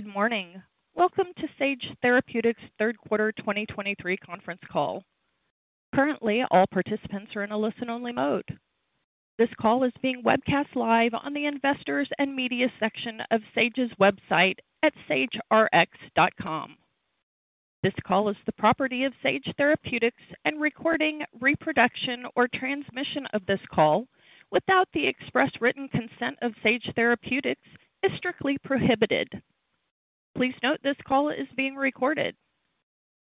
Good morning. Welcome to Sage Therapeutics' Q3 2023 conference call. Currently, all participants are in a listen-only mode. This call is being webcast live on the Investors and Media section of Sage's website at sagerx.com. This call is the property of Sage Therapeutics, and recording, reproduction, or transmission of this call without the express written consent of Sage Therapeutics is strictly prohibited. Please note this call is being recorded.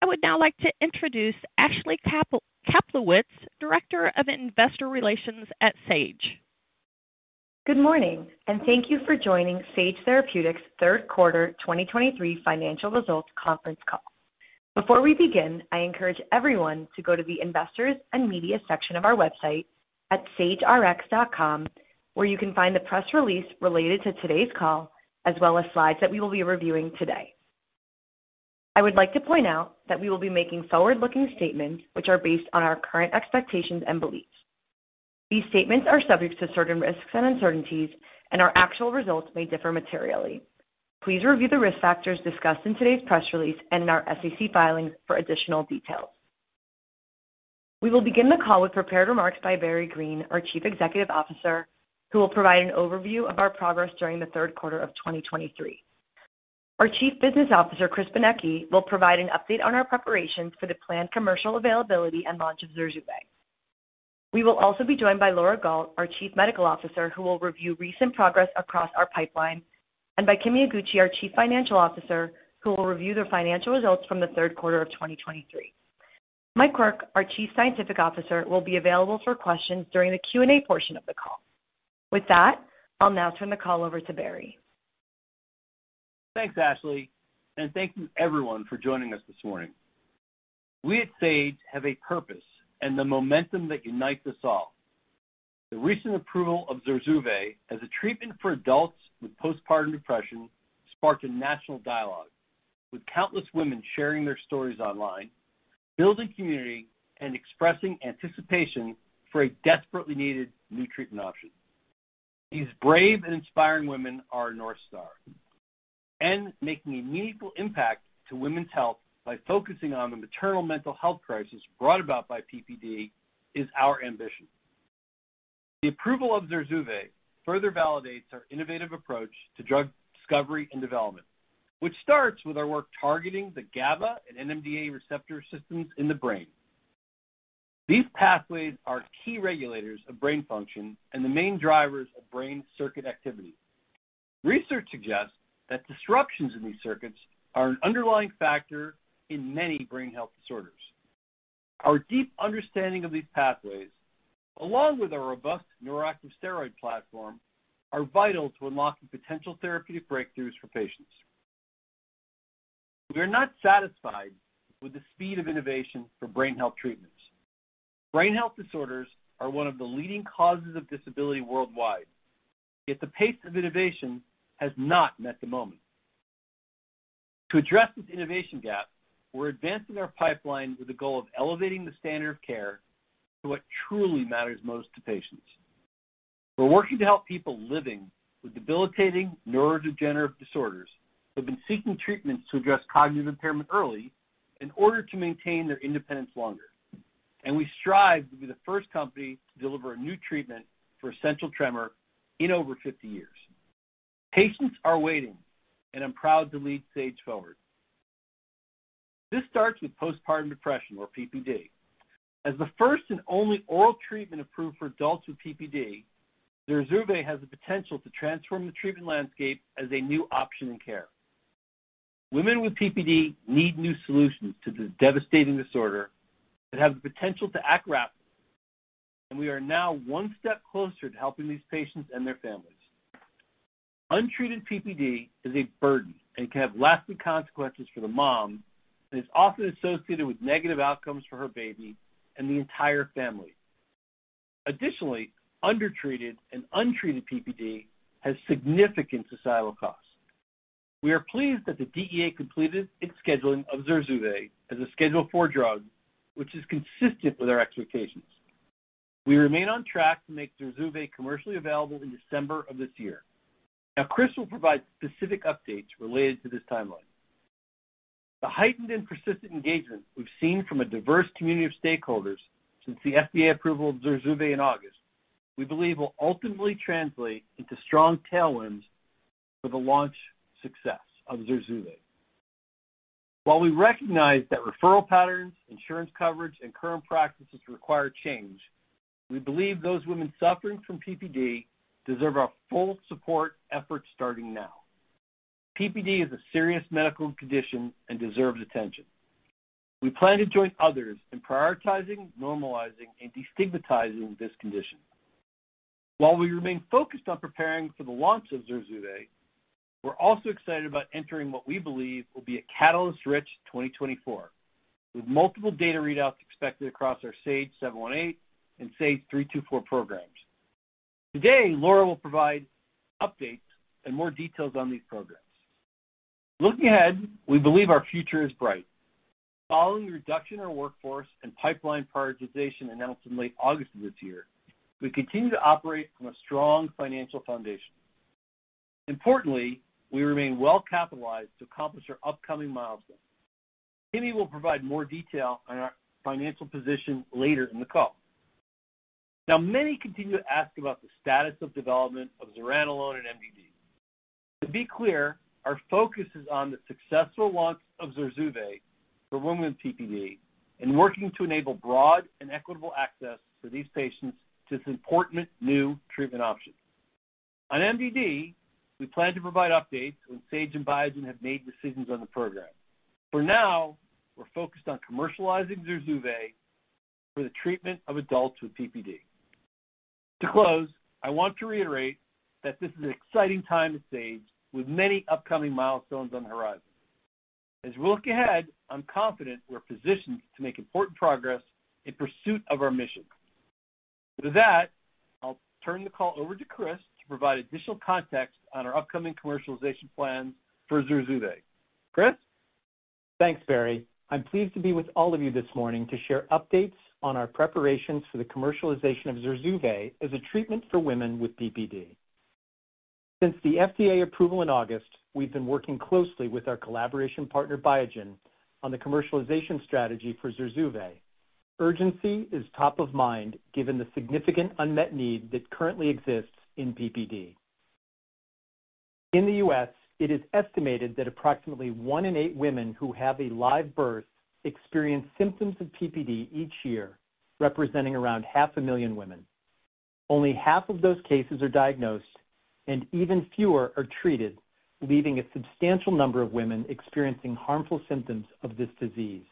I would now like to introduce Ashley Kaplowitz, Director of Investor Relations at Sage. Good morning, and thank you for joining Sage Therapeutics' Q3 2023 financial results conference call. Before we begin, I encourage everyone to go to the Investors and Media section of our website at sagerx.com, where you can find the press release related to today's call, as well as slides that we will be reviewing today. I would like to point out that we will be making forward-looking statements, which are based on our current expectations and beliefs. These statements are subject to certain risks and uncertainties, and our actual results may differ materially. Please review the risk factors discussed in today's press release and in our SEC filings for additional details. We will begin the call with prepared remarks by Barry Greene, our Chief Executive Officer, who will provide an overview of our progress during the Q3 of 2023. Our Chief Business Officer, Chris Benecchi, will provide an update on our preparations for the planned commercial availability and launch of Zurzuvae. We will also be joined by Laura Gault, our Chief Medical Officer, who will review recent progress across our pipeline, and by Kimi Iguchi, our Chief Financial Officer, who will review the financial results from the Q3 of 2023. Mike Quirk, our Chief Scientific Officer, will be available for questions during the Q&A portion of the call. With that, I'll now turn the call over to Barry. Thanks, Ashley, and thank you, everyone, for joining us this morning. We at Sage have a purpose and the momentum that unites us all. The recent approval of Zurzuvae as a treatment for adults with postpartum depression sparked a national dialogue, with countless women sharing their stories online, building community, and expressing anticipation for a desperately needed new treatment option. These brave and inspiring women are our North Star, and making a meaningful impact to women's health by focusing on the maternal mental health crisis brought about by PPD is our ambition. The approval of Zurzuvae further validates our innovative approach to drug discovery and development, which starts with our work targeting the GABA and NMDA receptor systems in the brain. These pathways are key regulators of brain function and the main drivers of brain circuit activity. Research suggests that disruptions in these circuits are an underlying factor in many brain health disorders. Our deep understanding of these pathways, along with our robust neuroactive steroid platform, are vital to unlocking potential therapeutic breakthroughs for patients. We are not satisfied with the speed of innovation for brain health treatments. Brain health disorders are one of the leading causes of disability worldwide, yet the pace of innovation has not met the moment. To address this innovation gap, we're advancing our pipeline with the goal of elevating the standard of care to what truly matters most to patients. We're working to help people living with debilitating neurodegenerative disorders who have been seeking treatments to address cognitive impairment early in order to maintain their independence longer. We strive to be the first company to deliver a new treatment for essential tremor in over 50 years. Patients are waiting, and I'm proud to lead Sage forward. This starts with postpartum depression, or PPD. As the first and only oral treatment approved for adults with PPD, Zurzuvae has the potential to transform the treatment landscape as a new option in care. Women with PPD need new solutions to this devastating disorder that have the potential to act rapidly, and we are now one step closer to helping these patients and their families. Untreated PPD is a burden and can have lasting consequences for the mom and is often associated with negative outcomes for her baby and the entire family. Additionally, undertreated and untreated PPD has significant societal costs. We are pleased that the DEA completed its scheduling of Zurzuvae as a Schedule IV drug, which is consistent with our expectations. We remain on track to make Zurzuvae commercially available in December of this year. Now, Chris will provide specific updates related to this timeline. The heightened and persistent engagement we've seen from a diverse community of stakeholders since the FDA approval of Zurzuvae in August, we believe will ultimately translate into strong tailwinds for the launch success of Zurzuvae. While we recognize that referral patterns, insurance coverage, and current practices require change, we believe those women suffering from PPD deserve our full support efforts starting now. PPD is a serious medical condition and deserves attention. We plan to join others in prioritizing, normalizing, and destigmatizing this condition. While we remain focused on preparing for the launch of Zurzuvae, we're also excited about entering what we believe will be a catalyst-rich 2024, with multiple data readouts expected across our SAGE-718 and SAGE-324 programs. Today, Laura will provide updates and more details on these programs. Looking ahead, we believe our future is bright. Following the reduction in our workforce and pipeline prioritization announced in late August of this year, we continue to operate from a strong financial foundation. Importantly, we remain well capitalized to accomplish our upcoming milestones. Kimi will provide more detail on our financial position later in the call. Now, many continue to ask about the status of development of zuranolone and MDD. To be clear, our focus is on the successful launch of Zurzuvae for women with PPD and working to enable broad and equitable access for these patients to this important new treatment option. On MDD, we plan to provide updates when Sage and Biogen have made decisions on the program. For now, we're focused on commercializing Zurzuvae for the treatment of adults with PPD. To close, I want to reiterate that this is an exciting time at Sage, with many upcoming milestones on the horizon. As we look ahead, I'm confident we're positioned to make important progress in pursuit of our mission. With that, I'll turn the call over to Chris to provide additional context on our upcoming commercialization plans for Zurzuvae. Chris? Thanks, Barry. I'm pleased to be with all of you this morning to share updates on our preparations for the commercialization of Zurzuvae as a treatment for women with PPD. Since the FDA approval in August, we've been working closely with our collaboration partner, Biogen, on the commercialization strategy for Zurzuvae. Urgency is top of mind, given the significant unmet need that currently exists in PPD. In the U.S., it is estimated that approximately one in eight women who have a live birth experience symptoms of PPD each year, representing around half a million women. Only half of those cases are diagnosed and even fewer are treated, leaving a substantial number of women experiencing harmful symptoms of this disease.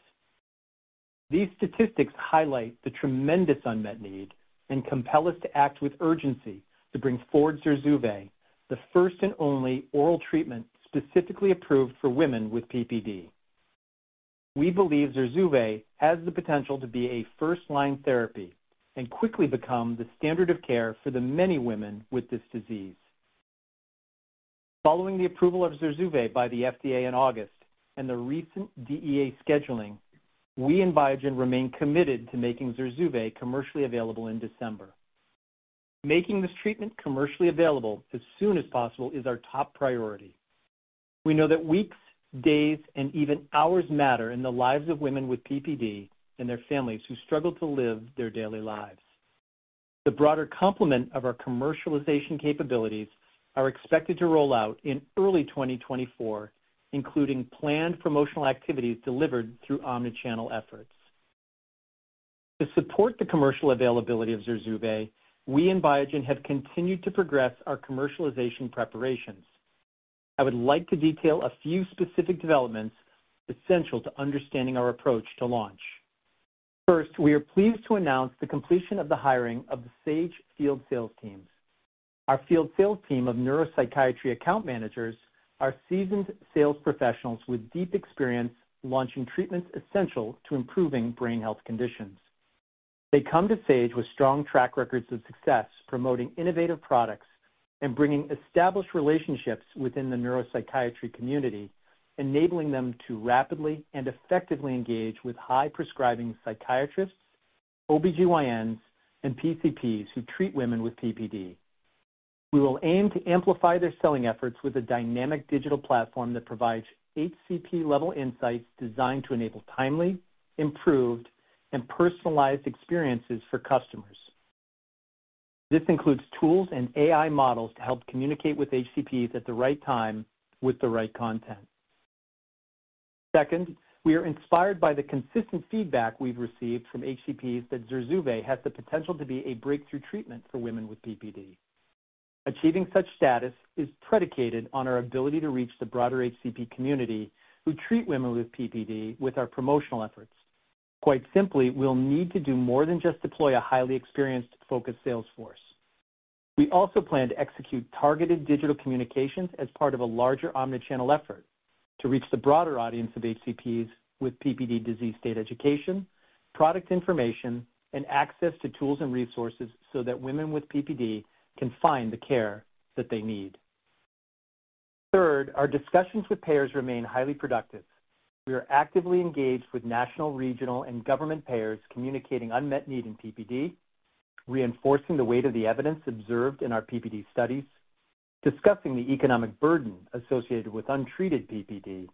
These statistics highlight the tremendous unmet need and compel us to act with urgency to bring forward Zurzuvae, the first and only oral treatment specifically approved for women with PPD. We believe Zurzuvae has the potential to be a first-line therapy and quickly become the standard of care for the many women with this disease. Following the approval of Zurzuvae by the FDA in August and the recent DEA scheduling, we and Biogen remain committed to making Zurzuvae commercially available in December. Making this treatment commercially available as soon as possible is our top priority. We know that weeks, days, and even hours matter in the lives of women with PPD and their families who struggle to live their daily lives. The broader complement of our commercialization capabilities are expected to roll out in early 2024, including planned promotional activities delivered through omni-channel efforts. To support the commercial availability of Zurzuvae, we and Biogen have continued to progress our commercialization preparations. I would like to detail a few specific developments essential to understanding our approach to launch. First, we are pleased to announce the completion of the hiring of the Sage field sales teams. Our field sales team of neuropsychiatry account managers are seasoned sales professionals with deep experience launching treatments essential to improving brain health conditions. They come to Sage with strong track records of success, promoting innovative products and bringing established relationships within the neuropsychiatry community, enabling them to rapidly and effectively engage with high-prescribing psychiatrists, OBGYNs, and PCPs who treat women with PPD. We will aim to amplify their selling efforts with a dynamic digital platform that provides HCP level insights designed to enable timely, improved, and personalized experiences for customers. This includes tools and AI models to help communicate with HCPs at the right time, with the right content. Second, we are inspired by the consistent feedback we've received from HCPs that Zurzuvae has the potential to be a breakthrough treatment for women with PPD. Achieving such status is predicated on our ability to reach the broader HCP community who treat women with PPD with our promotional efforts. Quite simply, we'll need to do more than just deploy a highly experienced, focused sales force. We also plan to execute targeted digital communications as part of a larger omni-channel effort to reach the broader audience of HCPs with PPD disease state education, product information, and access to tools and resources so that women with PPD can find the care that they need. Third, our discussions with payers remain highly productive. We are actively engaged with national, regional, and government payers, communicating unmet need in PPD, reinforcing the weight of the evidence observed in our PPD studies, discussing the economic burden associated with untreated PPD,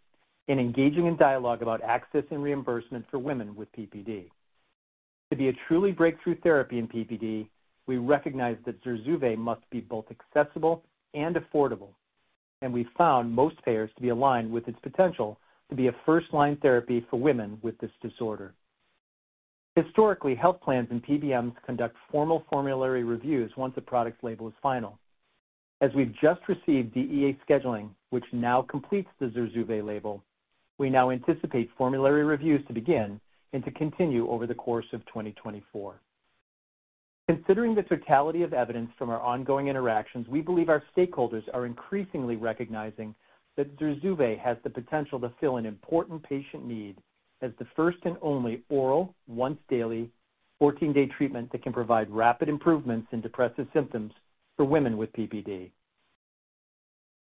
and engaging in dialogue about access and reimbursement for women with PPD. To be a truly breakthrough therapy in PPD, we recognize that Zurzuvae must be both accessible and affordable, and we found most payers to be aligned with its potential to be a first-line therapy for women with this disorder. Historically, health plans and PBMs conduct formal formulary reviews once a product label is final. As we've just received DEA scheduling, which now completes the Zurzuvae label, we now anticipate formulary reviews to begin and to continue over the course of 2024. Considering the totality of evidence from our ongoing interactions, we believe our stakeholders are increasingly recognizing that Zurzuvae has the potential to fill an important patient need as the first and only oral, once-daily, 14-day treatment that can provide rapid improvements in depressive symptoms for women with PPD.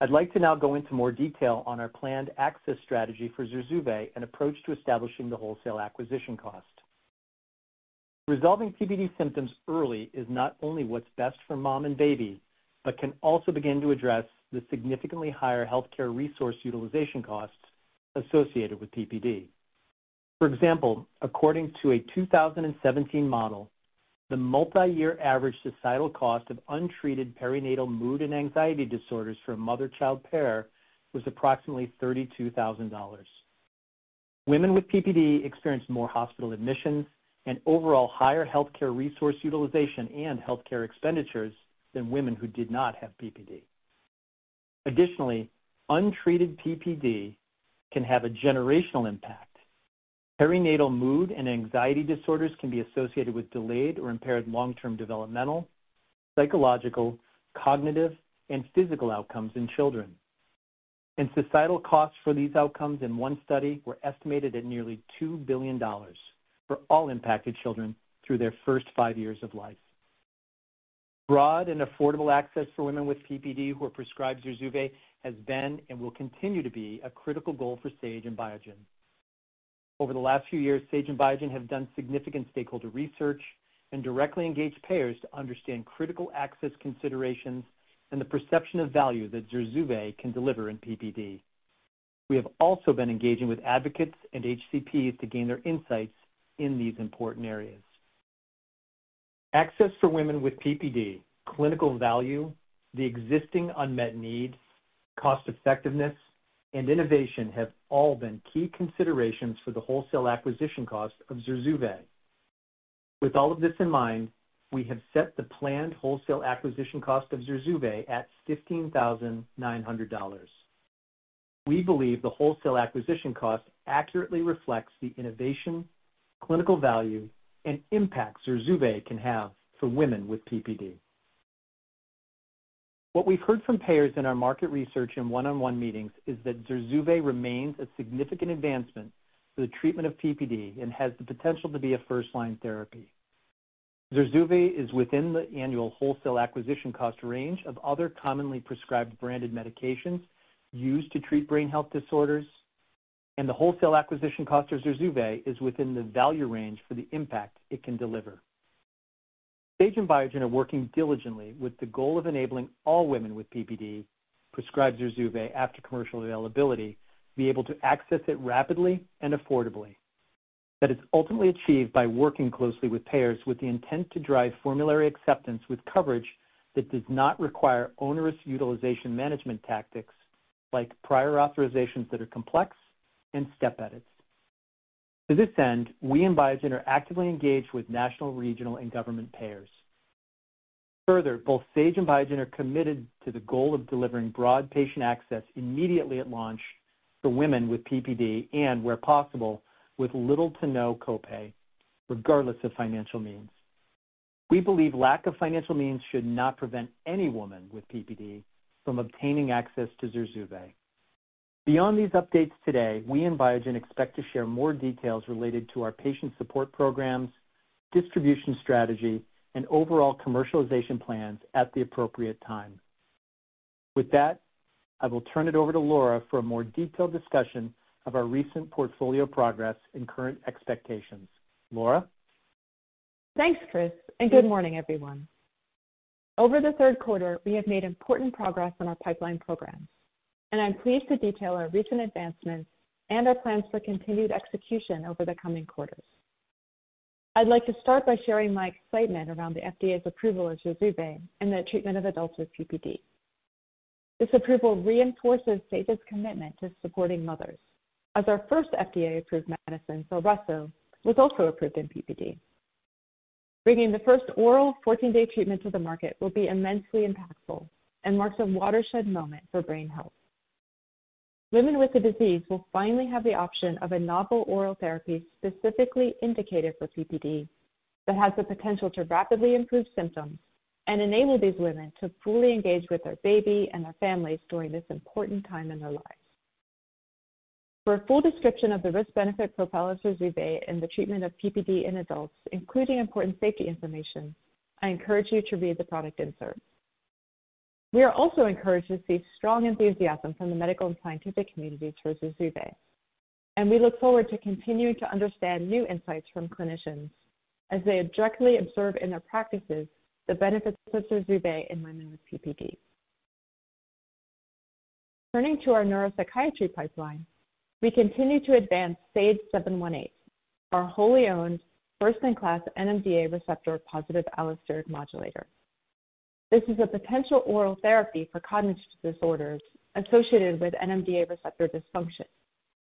I'd like to now go into more detail on our planned access strategy for Zurzuvae and approach to establishing the wholesale acquisition cost. Resolving PPD symptoms early is not only what's best for mom and baby, but can also begin to address the significantly higher healthcare resource utilization costs associated with PPD. For example, according to a 2017 model, the multi-year average societal cost of untreated perinatal mood and anxiety disorders for mother-child pair was approximately $32,000. Women with PPD experience more hospital admissions and overall higher healthcare resource utilization and healthcare expenditures than women who did not have PPD. Additionally, untreated PPD can have a generational impact. Perinatal mood and anxiety disorders can be associated with delayed or impaired long-term developmental, psychological, cognitive, and physical outcomes in children, and societal costs for these outcomes in one study were estimated at nearly $2 billion for all impacted children through their first five years of life. Broad and affordable access for women with PPD who are prescribed Zurzuvae has been and will continue to be a critical goal for Sage and Biogen. Over the last few years, Sage and Biogen have done significant stakeholder research and directly engaged payers to understand critical access considerations and the perception of value that Zurzuvae can deliver in PPD. We have also been engaging with advocates and HCPs to gain their insights in these important areas. Access for women with PPD, clinical value, the existing unmet need, cost effectiveness, and innovation have all been key considerations for the wholesale acquisition cost of Zurzuvae. With all of this in mind, we have set the planned wholesale acquisition cost of Zurzuvae at $15,900. We believe the wholesale acquisition cost accurately reflects the innovation, clinical value, and impact Zurzuvae can have for women with PPD. What we've heard from payers in our market research and one-on-one meetings is that Zurzuvae remains a significant advancement for the treatment of PPD and has the potential to be a first-line therapy. Zurzuvae is within the annual wholesale acquisition cost range of other commonly prescribed branded medications used to treat brain health disorders, and the wholesale acquisition cost of Zurzuvae is within the value range for the impact it can deliver. Sage and Biogen are working diligently with the goal of enabling all women with PPD prescribed Zurzuvae after commercial availability, to be able to access it rapidly and affordably. That is ultimately achieved by working closely with payers with the intent to drive formulary acceptance with coverage that does not require onerous utilization management tactics, like prior authorizations that are complex and step edits. To this end, we and Biogen are actively engaged with national, regional, and government payers. Further, both Sage and Biogen are committed to the goal of delivering broad patient access immediately at launch for women with PPD and, where possible, with little to no copay, regardless of financial means. We believe lack of financial means should not prevent any woman with PPD from obtaining access to Zurzuvae. Beyond these updates today, we and Biogen expect to share more details related to our patient support programs, distribution strategy, and overall commercialization plans at the appropriate time. With that, I will turn it over to Laura for a more detailed discussion of our recent portfolio progress and current expectations. Laura? Thanks, Chris, and good morning, everyone. Over the Q3, we have made important progress on our pipeline programs, and I'm pleased to detail our recent advancements and our plans for continued execution over the coming quarters. I'd like to start by sharing my excitement around the FDA's approval of Zurzuvae in the treatment of adults with PPD. This approval reinforces Sage's commitment to supporting mothers, as our first FDA-approved medicine, Zulresso, was also approved in PPD. Bringing the first oral 14-day treatment to the market will be immensely impactful and marks a watershed moment for brain health. Women with the disease will finally have the option of a novel oral therapy specifically indicated for PPD that has the potential to rapidly improve symptoms and enable these women to fully engage with their baby and their families during this important time in their lives. For a full description of the risk-benefit profile of Zurzuvae in the treatment of PPD in adults, including important safety information, I encourage you to read the product insert. We are also encouraged to see strong enthusiasm from the medical and scientific communities for Zurzuvae, and we look forward to continuing to understand new insights from clinicians as they directly observe in their practices the benefits of Zurzuvae in women with PPD. Turning to our neuropsychiatry pipeline, we continue to advance SAGE-718, our wholly owned, first-in-class NMDA receptor-positive allosteric modulator. This is a potential oral therapy for cognitive disorders associated with NMDA receptor dysfunction,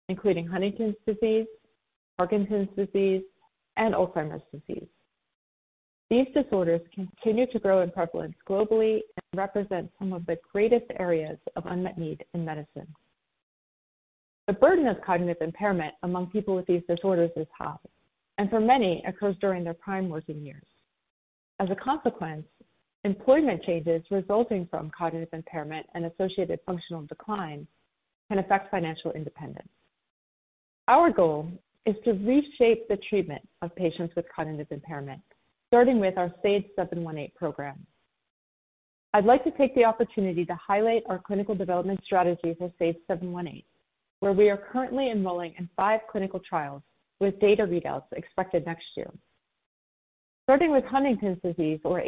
including Huntington's disease, Parkinson's disease, and Alzheimer's disease. These disorders continue to grow in prevalence globally and represent some of the greatest areas of unmet need in medicine. The burden of cognitive impairment among people with these disorders is high and, for many, occurs during their prime working years. As a consequence, employment changes resulting from cognitive impairment and associated functional decline can affect financial independence. Our goal is to reshape the treatment of patients with cognitive impairment, starting with our SAGE-718 program. I'd like to take the opportunity to highlight our clinical development strategy for SAGE-718, where we are currently enrolling in five clinical trials with data readouts expected next year. Starting with Huntington's disease, or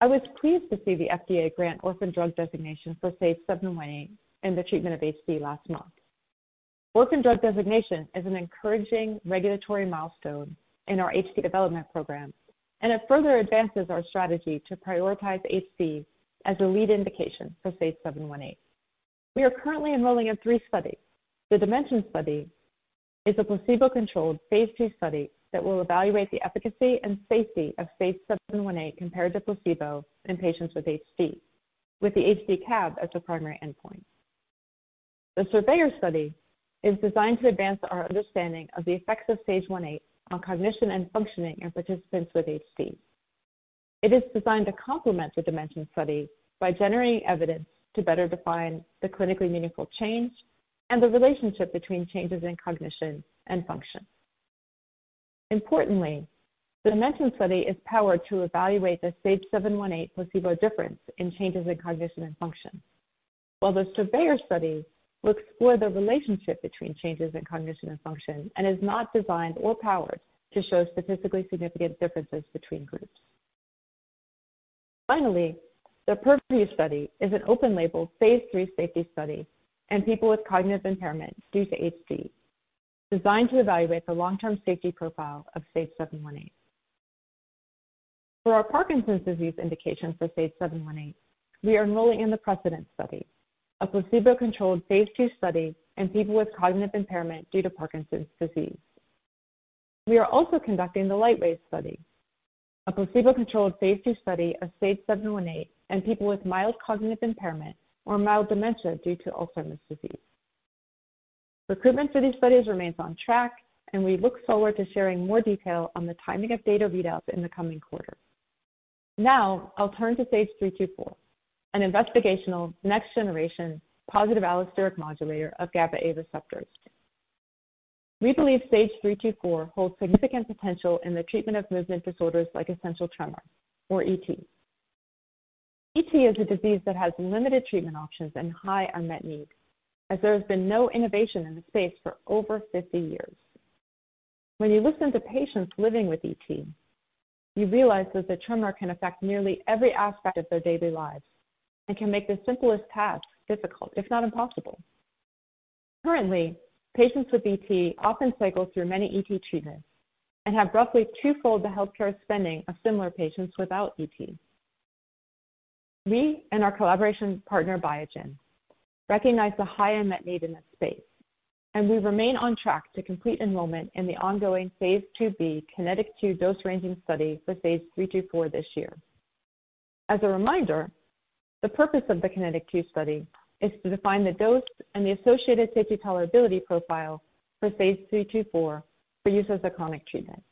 HD, I was pleased to see the FDA grant Orphan Drug Designation for SAGE-718 in the treatment of HD last month. Orphan Drug Designation is an encouraging regulatory milestone in our HD development program, and it further advances our strategy to prioritize HD as a lead indication for SAGE-718. We are currently enrolling in three studies. The DIMENSION Study is a placebo-controlled phase II study that will evaluate the efficacy and safety of SAGE-718 compared to placebo in patients with HD, with the HD-CAB as the primary endpoint. The SURVEYOR Study is designed to advance our understanding of the effects of SAGE-718 on cognition and functioning in participants with HD. It is designed to complement the DIMENSION Study by generating evidence to better define the clinically meaningful change and the relationship between changes in cognition and function. Importantly, the DIMENSION Study is powered to evaluate the SAGE-718 placebo difference in changes in cognition and function, while the SURVEYOR Study will explore the relationship between changes in cognition and function and is not designed or powered to show statistically significant differences between groups. Finally, the PURVIEW Study is an open-label phase III safety study in people with cognitive impairment due to HD, designed to evaluate the long-term safety profile of SAGE-718. For our Parkinson's disease indication for SAGE-718, we are enrolling in the PRECEDENT Study, a placebo-controlled phase II study in people with cognitive impairment due to Parkinson's disease. We are also conducting the LIGHTWAVE Study, a placebo-controlled phase II study of SAGE-718 in people with mild cognitive impairment or mild dementia due to Alzheimer's disease. Recruitment for these studies remains on track, and we look forward to sharing more detail on the timing of data readouts in the coming quarter. Now I'll turn to SAGE-324, an investigational next-generation positive allosteric modulator of GABAA receptors. We believe SAGE-324 holds significant potential in the treatment of movement disorders like essential tremor, or ET. ET is a disease that has limited treatment options and high unmet needs, as there has been no innovation in the space for over 50 years. When you listen to patients living with ET, you realize that the tremor can affect nearly every aspect of their daily lives and can make the simplest tasks difficult, if not impossible. Currently, patients with ET often cycle through many ET treatments and have roughly twofold the healthcare spending of similar patients without ET. We and our collaboration partner, Biogen, recognize the high unmet need in this space, and we remain on track to complete enrollment in the ongoing Phase IIb KINETIC 2 dose-ranging study for SAGE-324 this year. As a reminder, the purpose of the KINETIC 2 Study is to define the dose and the associated safety tolerability profile for SAGE-324 for use as a chronic treatment.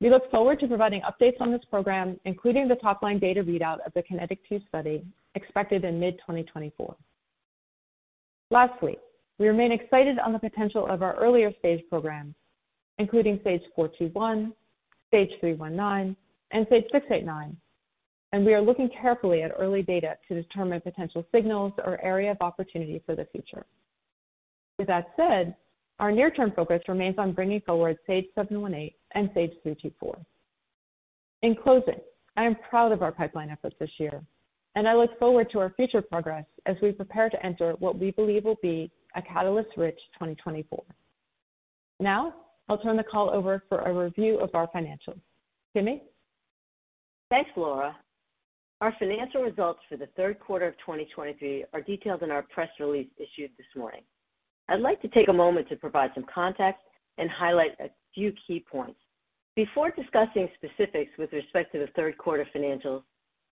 We look forward to providing updates on this program, including the top-line data readout of the KINETIC 2 Study expected in mid-2024. Lastly, we remain excited on the potential of our earlier SAGE programs, including SAGE-421, SAGE-319, and SAGE-689, and we are looking carefully at early data to determine potential signals or area of opportunity for the future. With that said, our near-term focus remains on bringing forward SAGE-718 and SAGE-324. In closing, I am proud of our pipeline efforts this year, and I look forward to our future progress as we prepare to enter what we believe will be a catalyst-rich 2024. Now I'll turn the call over for a review of our financials. Kimi? Thanks, Laura. Our financial results for the Q3 of 2023 are detailed in our press release issued this morning. I'd like to take a moment to provide some context and highlight a few key points. Before discussing specifics with respect to the Q3 financials,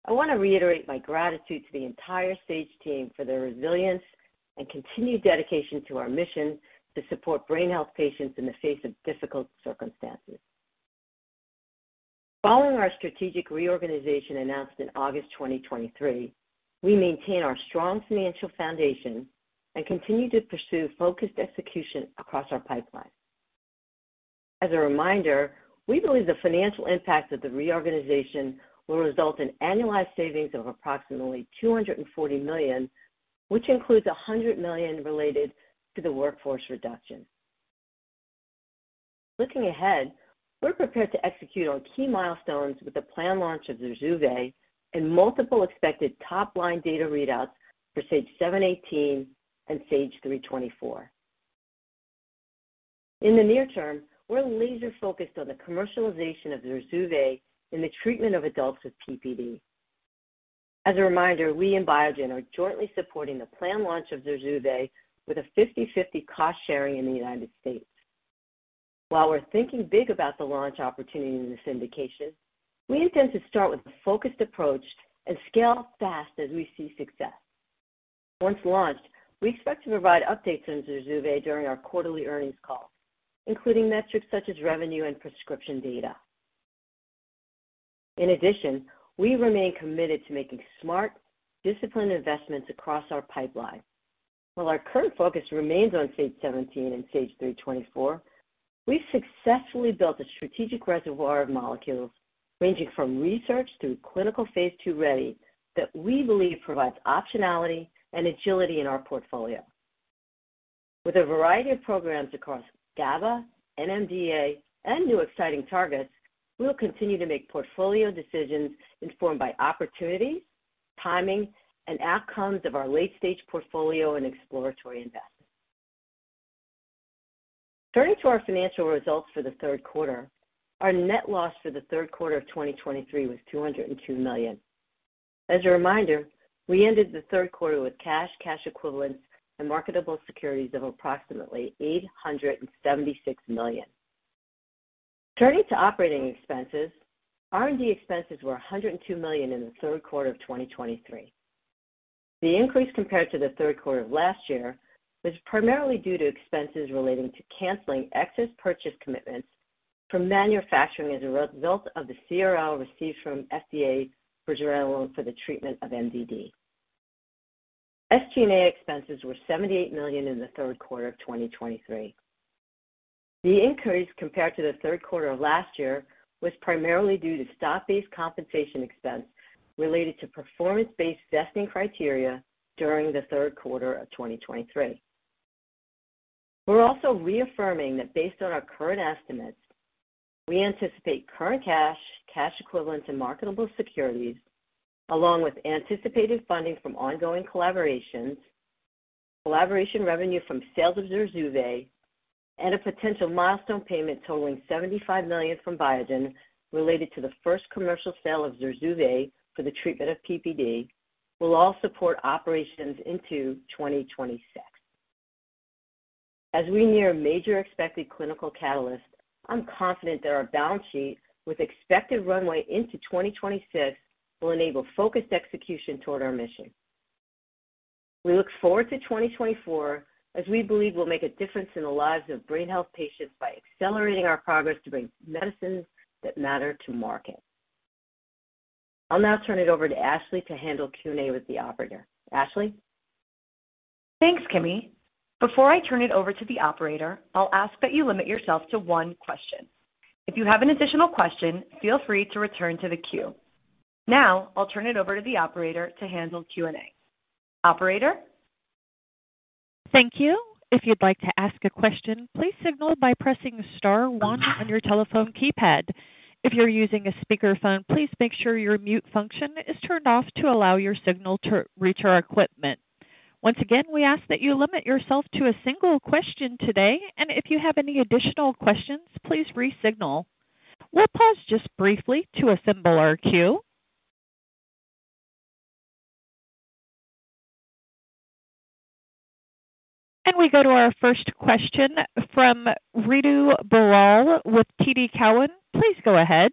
I want to reiterate my gratitude to the entire Sage team for their resilience and continued dedication to our mission to support brain health patients in the face of difficult circumstances. Following our strategic reorganization announced in August 2023, we maintain our strong financial foundation and continue to pursue focused execution across our pipeline. As a reminder, we believe the financial impact of the reorganization will result in annualized savings of approximately $240 million, which includes $100 million related to the workforce reduction. Looking ahead, we're prepared to execute on key milestones with the planned launch of Zurzuvae and multiple expected top-line data readouts for SAGE-718 and SAGE-324. In the near term, we're laser focused on the commercialization of Zurzuvae in the treatment of adults with PPD. As a reminder, we and Biogen are jointly supporting the planned launch of Zurzuvae with a 50/50 cost sharing in the United States. While we're thinking big about the launch opportunity in this indication, we intend to start with a focused approach and scale fast as we see success. Once launched, we expect to provide updates on Zurzuvae during our quarterly earnings call, including metrics such as revenue and prescription data. In addition, we remain committed to making smart, disciplined investments across our pipeline. While our current focus remains on SAGE-217 and SAGE-324, we've successfully built a strategic reservoir of molecules ranging from research through clinical phase II ready, that we believe provides optionality and agility in our portfolio. With a variety of programs across GABA, NMDA, and new exciting targets, we'll continue to make portfolio decisions informed by opportunity, timing, and outcomes of our late-stage portfolio and exploratory investments. Turning to our financial results for the Q3, our net loss for the Q3 of 2023 was $202 million. As a reminder, we ended the Q3 with cash, cash equivalents, and marketable securities of approximately $876 million. Turning to operating expenses, R&D expenses were $102 million in the Q3 of 2023. The increase compared to the Q3 of last year was primarily due to expenses relating to canceling excess purchase commitments from manufacturing as a result of the CRL received from FDA for zuranolone for the treatment of MDD. SG&A expenses were $78 million in the Q3 of 2023. The increase compared to the Q3 of last year was primarily due to stock-based compensation expense related to performance-based vesting criteria during the Q3 of 2023. We're also reaffirming that based on our current estimates, we anticipate current cash, cash equivalents, and marketable securities, along with anticipated funding from ongoing collaborations, collaboration revenue from sales of Zurzuvae, and a potential milestone payment totaling $75 million from Biogen related to the first commercial sale of Zurzuvae for the treatment of PPD, will all support operations into 2026. As we near a major expected clinical catalyst, I'm confident that our balance sheet, with expected runway into 2026, will enable focused execution toward our mission. We look forward to 2024, as we believe we'll make a difference in the lives of brain health patients by accelerating our progress to bring medicines that matter to market. I'll now turn it over to Ashley to handle Q&A with the operator. Ashley? Thanks, Kimi. Before I turn it over to the operator, I'll ask that you limit yourself to one question. If you have an additional question, feel free to return to the queue. Now, I'll turn it over to the operator to handle Q&A. Operator? Thank you. If you'd like to ask a question, please signal by pressing star one on your telephone keypad. If you're using a speakerphone, please make sure your mute function is turned off to allow your signal to reach our equipment. Once again, we ask that you limit yourself to a single question today, and if you have any additional questions, please re-signal. We'll pause just briefly to assemble our queue. We go to our first question from Ritu Baral with TD Cowen. Please go ahead.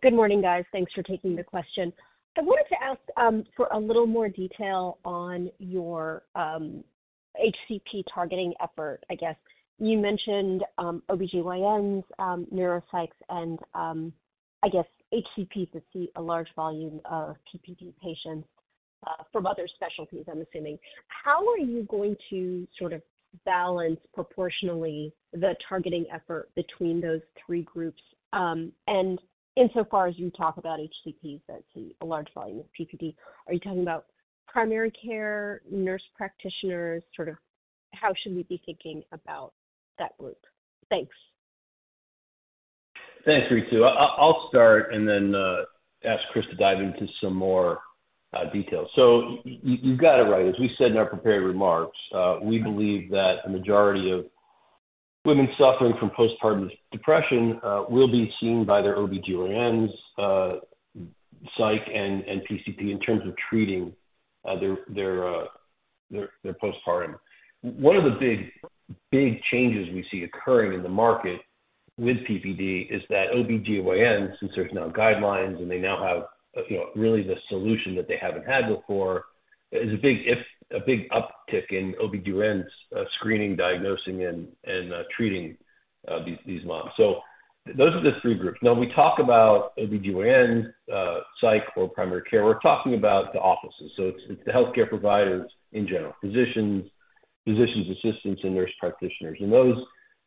Good morning, guys. Thanks for taking the question. I wanted to ask for a little more detail on your HCP targeting effort. I guess you mentioned OBGYNs, neuropsych, and I guess HCPs that see a large volume of PPD patients from other specialties, I'm assuming. How are you going to sort of balance proportionally the targeting effort between those three groups, and insofar as you talk about HCPs, that's a large volume of PPD. Are you talking about primary care, nurse practitioners? Sort of, how should we be thinking about that group? Thanks. Thanks, Ritu. I'll start and then ask Chris to dive into some more details. So you've got it right. As we said in our prepared remarks, we believe that the majority of women suffering from postpartum depression will be seen by their OBGYNs, psych, and PCP in terms of treating their postpartum. One of the big, big changes we see occurring in the market with PPD is that OBGYNs, since there's now guidelines and they now have, you know, really the solution that they haven't had before, is a big shift in OBGYNs screening, diagnosing, and treating these moms. So those are the three groups. Now, when we talk about OBGYNs, psych or primary care, we're talking about the offices. So it's the healthcare providers in general, physicians, physicians' assistants, and nurse practitioners. And those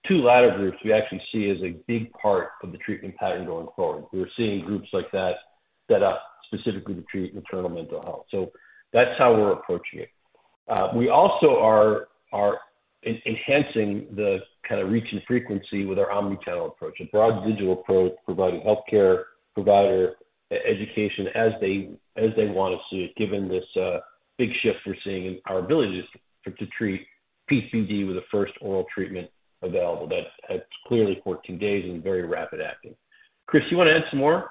two latter groups we actually see as a big part of the treatment pattern going forward. We're seeing groups like that set up specifically to treat maternal mental health. So that's how we're approaching it. We also are enhancing the kind of reach and frequency with our omni-channel approach, a broad digital approach, providing healthcare provider education as they want to see it, given this big shift we're seeing in our ability to treat PPD with the first oral treatment available. That's clearly 14 days and very rapid acting. Chris, you want to add some more?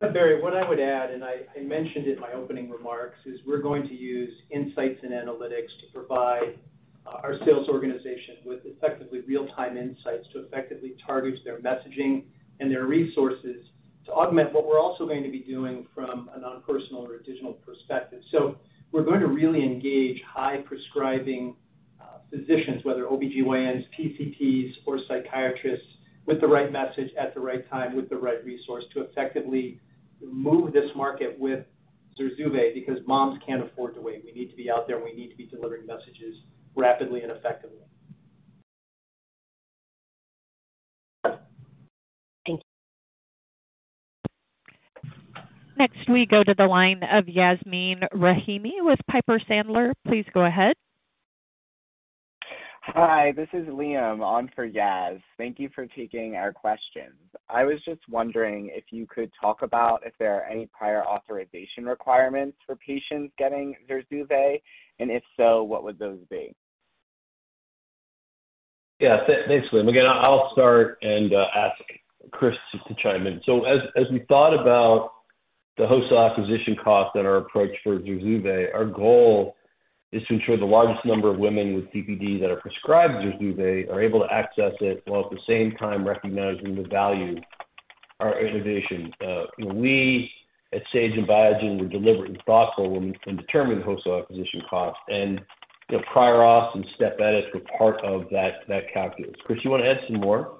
Barry, what I would add, and I mentioned in my opening remarks, is we're going to use insights and analytics to provide our sales organization with effectively real-time insights to effectively target their messaging and their resources to augment what we're also going to be doing from a non-personal or a digital perspective. So we're going to really engage high prescribing physicians, whether OBGYNs, PCPs, or psychiatrists, with the right message at the right time, with the right resource to effectively move this market with Zurzuvae, because moms can't afford to wait. We need to be out there, and we need to be delivering messages rapidly and effectively. Thank you. Next, we go to the line of Yasmeen Rahimi with Piper Sandler. Please go ahead. Hi, this is Liam on for Yas. Thank you for taking our questions. I was just wondering if you could talk about if there are any prior authorization requirements for patients getting Zurzuvae, and if so, what would those be? Yeah, thanks, Liam. Again, I'll start and ask Chris just to chime in. So as we thought about the wholesale acquisition cost and our approach for Zurzuvae, our goal is to ensure the largest number of women with PPD that are prescribed Zurzuvae are able to access it, while at the same time recognizing the value our innovation. We at Sage and Biogen were deliberate and thoughtful when we in determining the wholesale acquisition cost and, you know, prior auth and step edits were part of that calculus. Chris, you want to add some more?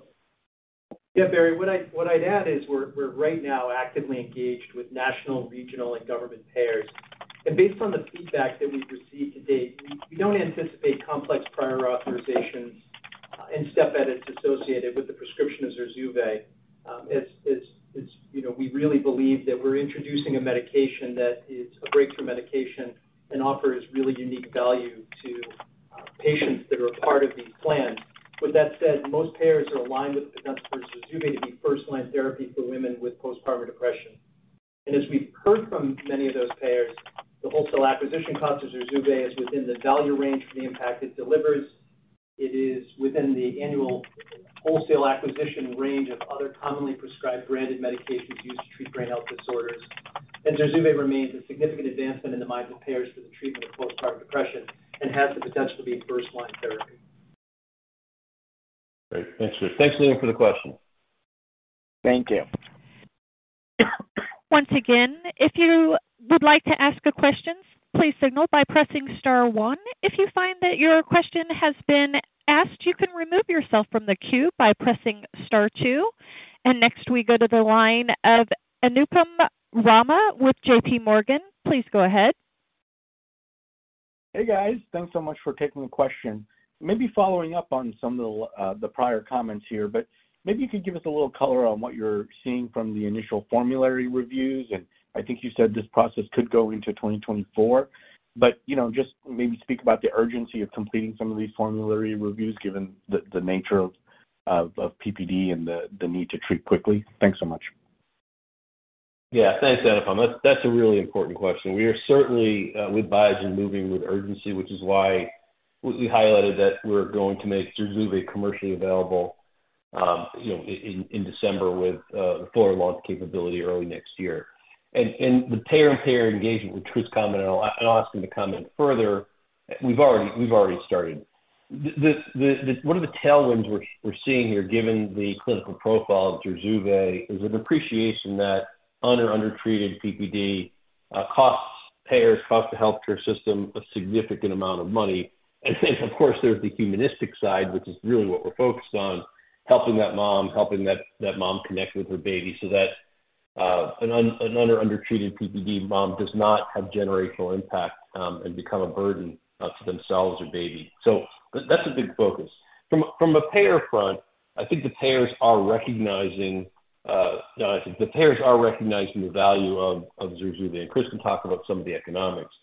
Yeah, Barry, what I'd add is we're right now actively engaged with national, regional, and government payers. And based on the feedback that we've received to date, we don't anticipate complex prior authorizations, and step edits associated with the prescription of Zurzuvae. You know, we really believe that we're introducing a medication that is a breakthrough medication and offers really unique value to patients that are a part of these plans. With that said, most payers are aligned with the potential for Zurzuvae to be first-line therapy for women with postpartum depression. And as we've heard from many of those payers, the wholesale acquisition cost of Zurzuvae is within the value range for the impact it delivers. It is within the annual wholesale acquisition range of other commonly prescribed branded medications used to treat brain health disorders. Zurzuvae remains a significant advancement in the minds of payers for the treatment of postpartum depression and has the potential to be a first-line therapy. Great. Thanks, Chris. Thanks, Liam, for the question. Thank you. Once again, if you would like to ask a question, please signal by pressing star one. If you find that your question has been asked, you can remove yourself from the queue by pressing star two. And next, we go to the line of Anupam Rama with JPMorgan. Please go ahead. Hey, guys. Thanks so much for taking the question. Maybe following up on some of the prior comments here, but maybe you could give us a little color on what you're seeing from the initial formulary reviews, and I think you said this process could go into 2024. But, you know, just maybe speak about the urgency of completing some of these formulary reviews, given the nature of PPD and the need to treat quickly. Thanks so much. Yeah, thanks, Anupam. That's a really important question. We are certainly with Biogen, moving with urgency, which is why we highlighted that we're going to make Zurzuvae commercially available, you know, in December with the full launch capability early next year. And the payer engagement, which Chris commented on, and I'll ask him to comment further, we've already started. One of the tailwinds we're seeing here, given the clinical profile of Zurzuvae, is an appreciation that un- or undertreated PPD costs payers, costs the healthcare system a significant amount of money. And then, of course, there's the humanistic side, which is really what we're focused on, helping that mom, helping that mom connect with her baby so that an untreated or undertreated PPD mom does not have generational impact and become a burden to themselves or baby. So that's a big focus. From a payer front, I think the payers are recognizing the payers are recognizing the value of Zurzuvae, and Chris can talk about some of the economics.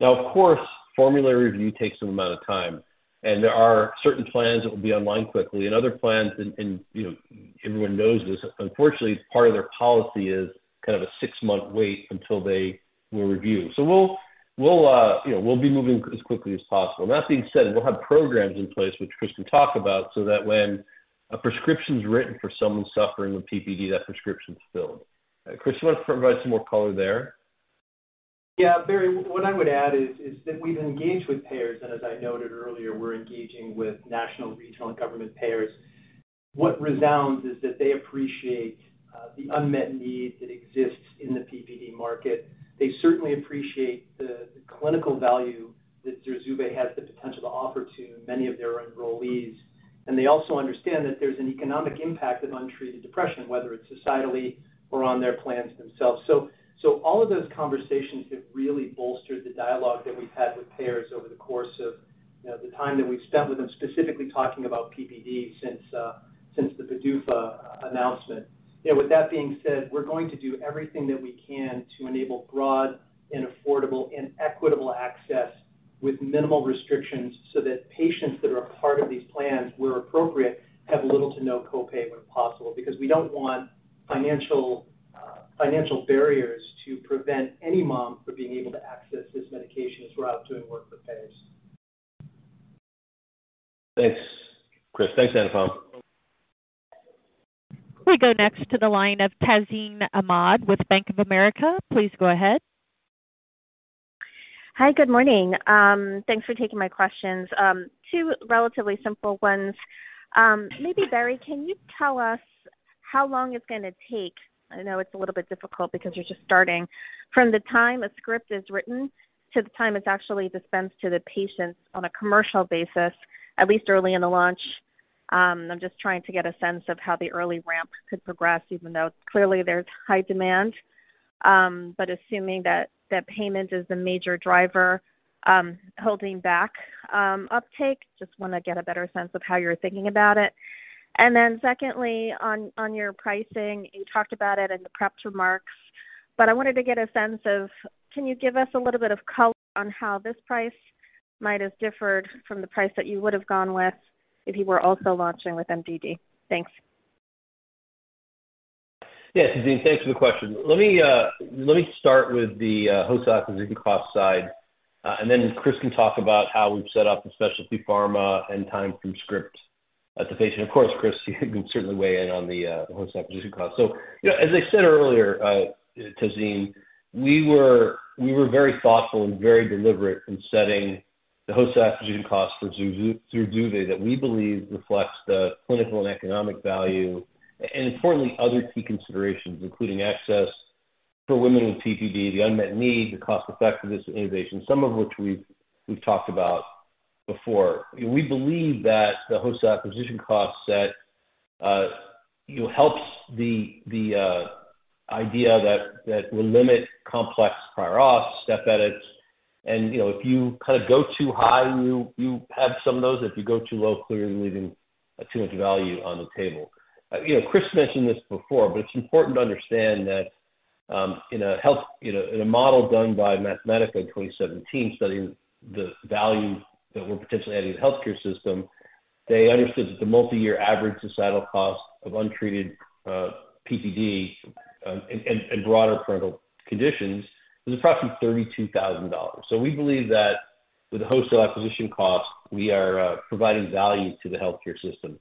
Now, of course, formulary review takes some amount of time, and there are certain plans that will be online quickly and other plans and, you know, everyone knows this. Unfortunately, part of their policy is kind of a six-month wait until they will review. So we'll, we'll, you know, we'll be moving as quickly as possible. That being said, we'll have programs in place, which Chris can talk about, so that when a prescription is written for someone suffering with PPD, that prescription is filled. Chris, you want to provide some more color there? Yeah, Barry, what I would add is that we've engaged with payers, and as I noted earlier, we're engaging with national, regional, and government payers. What resounds is that they appreciate the unmet need that exists in the PPD market. They certainly appreciate the clinical value that Zurzuvae has the potential to offer to many of their enrollees. And they also understand that there's an economic impact of untreated depression, whether it's societally or on their plans themselves. So all of those conversations have really bolstered the dialogue that we've had with payers over the course of, you know, the time that we've spent with them, specifically talking about PPD since the PDUFA announcement. You know, with that being said, we're going to do everything that we can to enable broad and affordable and equitable access with minimal restrictions so that patients that are a part of these plans, where appropriate, have little to no copay when possible. Because we don't want financial barriers to prevent any mom from being able to access this medication as we're out doing work with payers. Thanks, Chris. Thanks, Anupam. We go next to the line of Tazeen Ahmad with Bank of America. Please go ahead. Hi, good morning. Thanks for taking my questions. Two relatively simple ones. Maybe, Barry, can you tell us how long it's going to take? I know it's a little bit difficult because you're just starting. From the time a script is written to the time it's actually dispensed to the patients on a commercial basis, at least early in the launch. I'm just trying to get a sense of how the early ramp could progress, even though clearly there's high demand. But assuming that, that payment is the major driver, holding back, uptake, just want to get a better sense of how you're thinking about it. And then secondly, on your pricing, you talked about it in the prepared remarks, but I wanted to get a sense of, can you give us a little bit of color on how this price might have differed from the price that you would have gone with if you were also launching with MDD? Thanks. Yes, Tazeen, thanks for the question. Let me start with the wholesale acquisition cost side, and then Chris can talk about how we've set up the specialty pharma and time from script to the patient. Of course, Chris, you can certainly weigh in on the wholesale acquisition cost. So, you know, as I said earlier, Tazeen, we were very thoughtful and very deliberate in setting the wholesale acquisition cost for Zurzuvae that we believe reflects the clinical and economic value, and importantly, other key considerations, including access for women with PPD, the unmet need, the cost-effectiveness of innovation, some of which we've talked about before. We believe that the wholesale acquisition cost set, you know, helps the idea that will limit complex prior auth, step edits. You know, if you kind of go too high, you have some of those. If you go too low, clearly leaving too much value on the table. You know, Chris mentioned this before, but it's important to understand that in a model done by Mathematica in 2017, studying the value that we're potentially adding to the healthcare system, they understood that the multiyear average societal cost of untreated PPD and broader parental conditions was approximately $32,000. So we believe that with the wholesale acquisition cost, we are providing value to the healthcare system.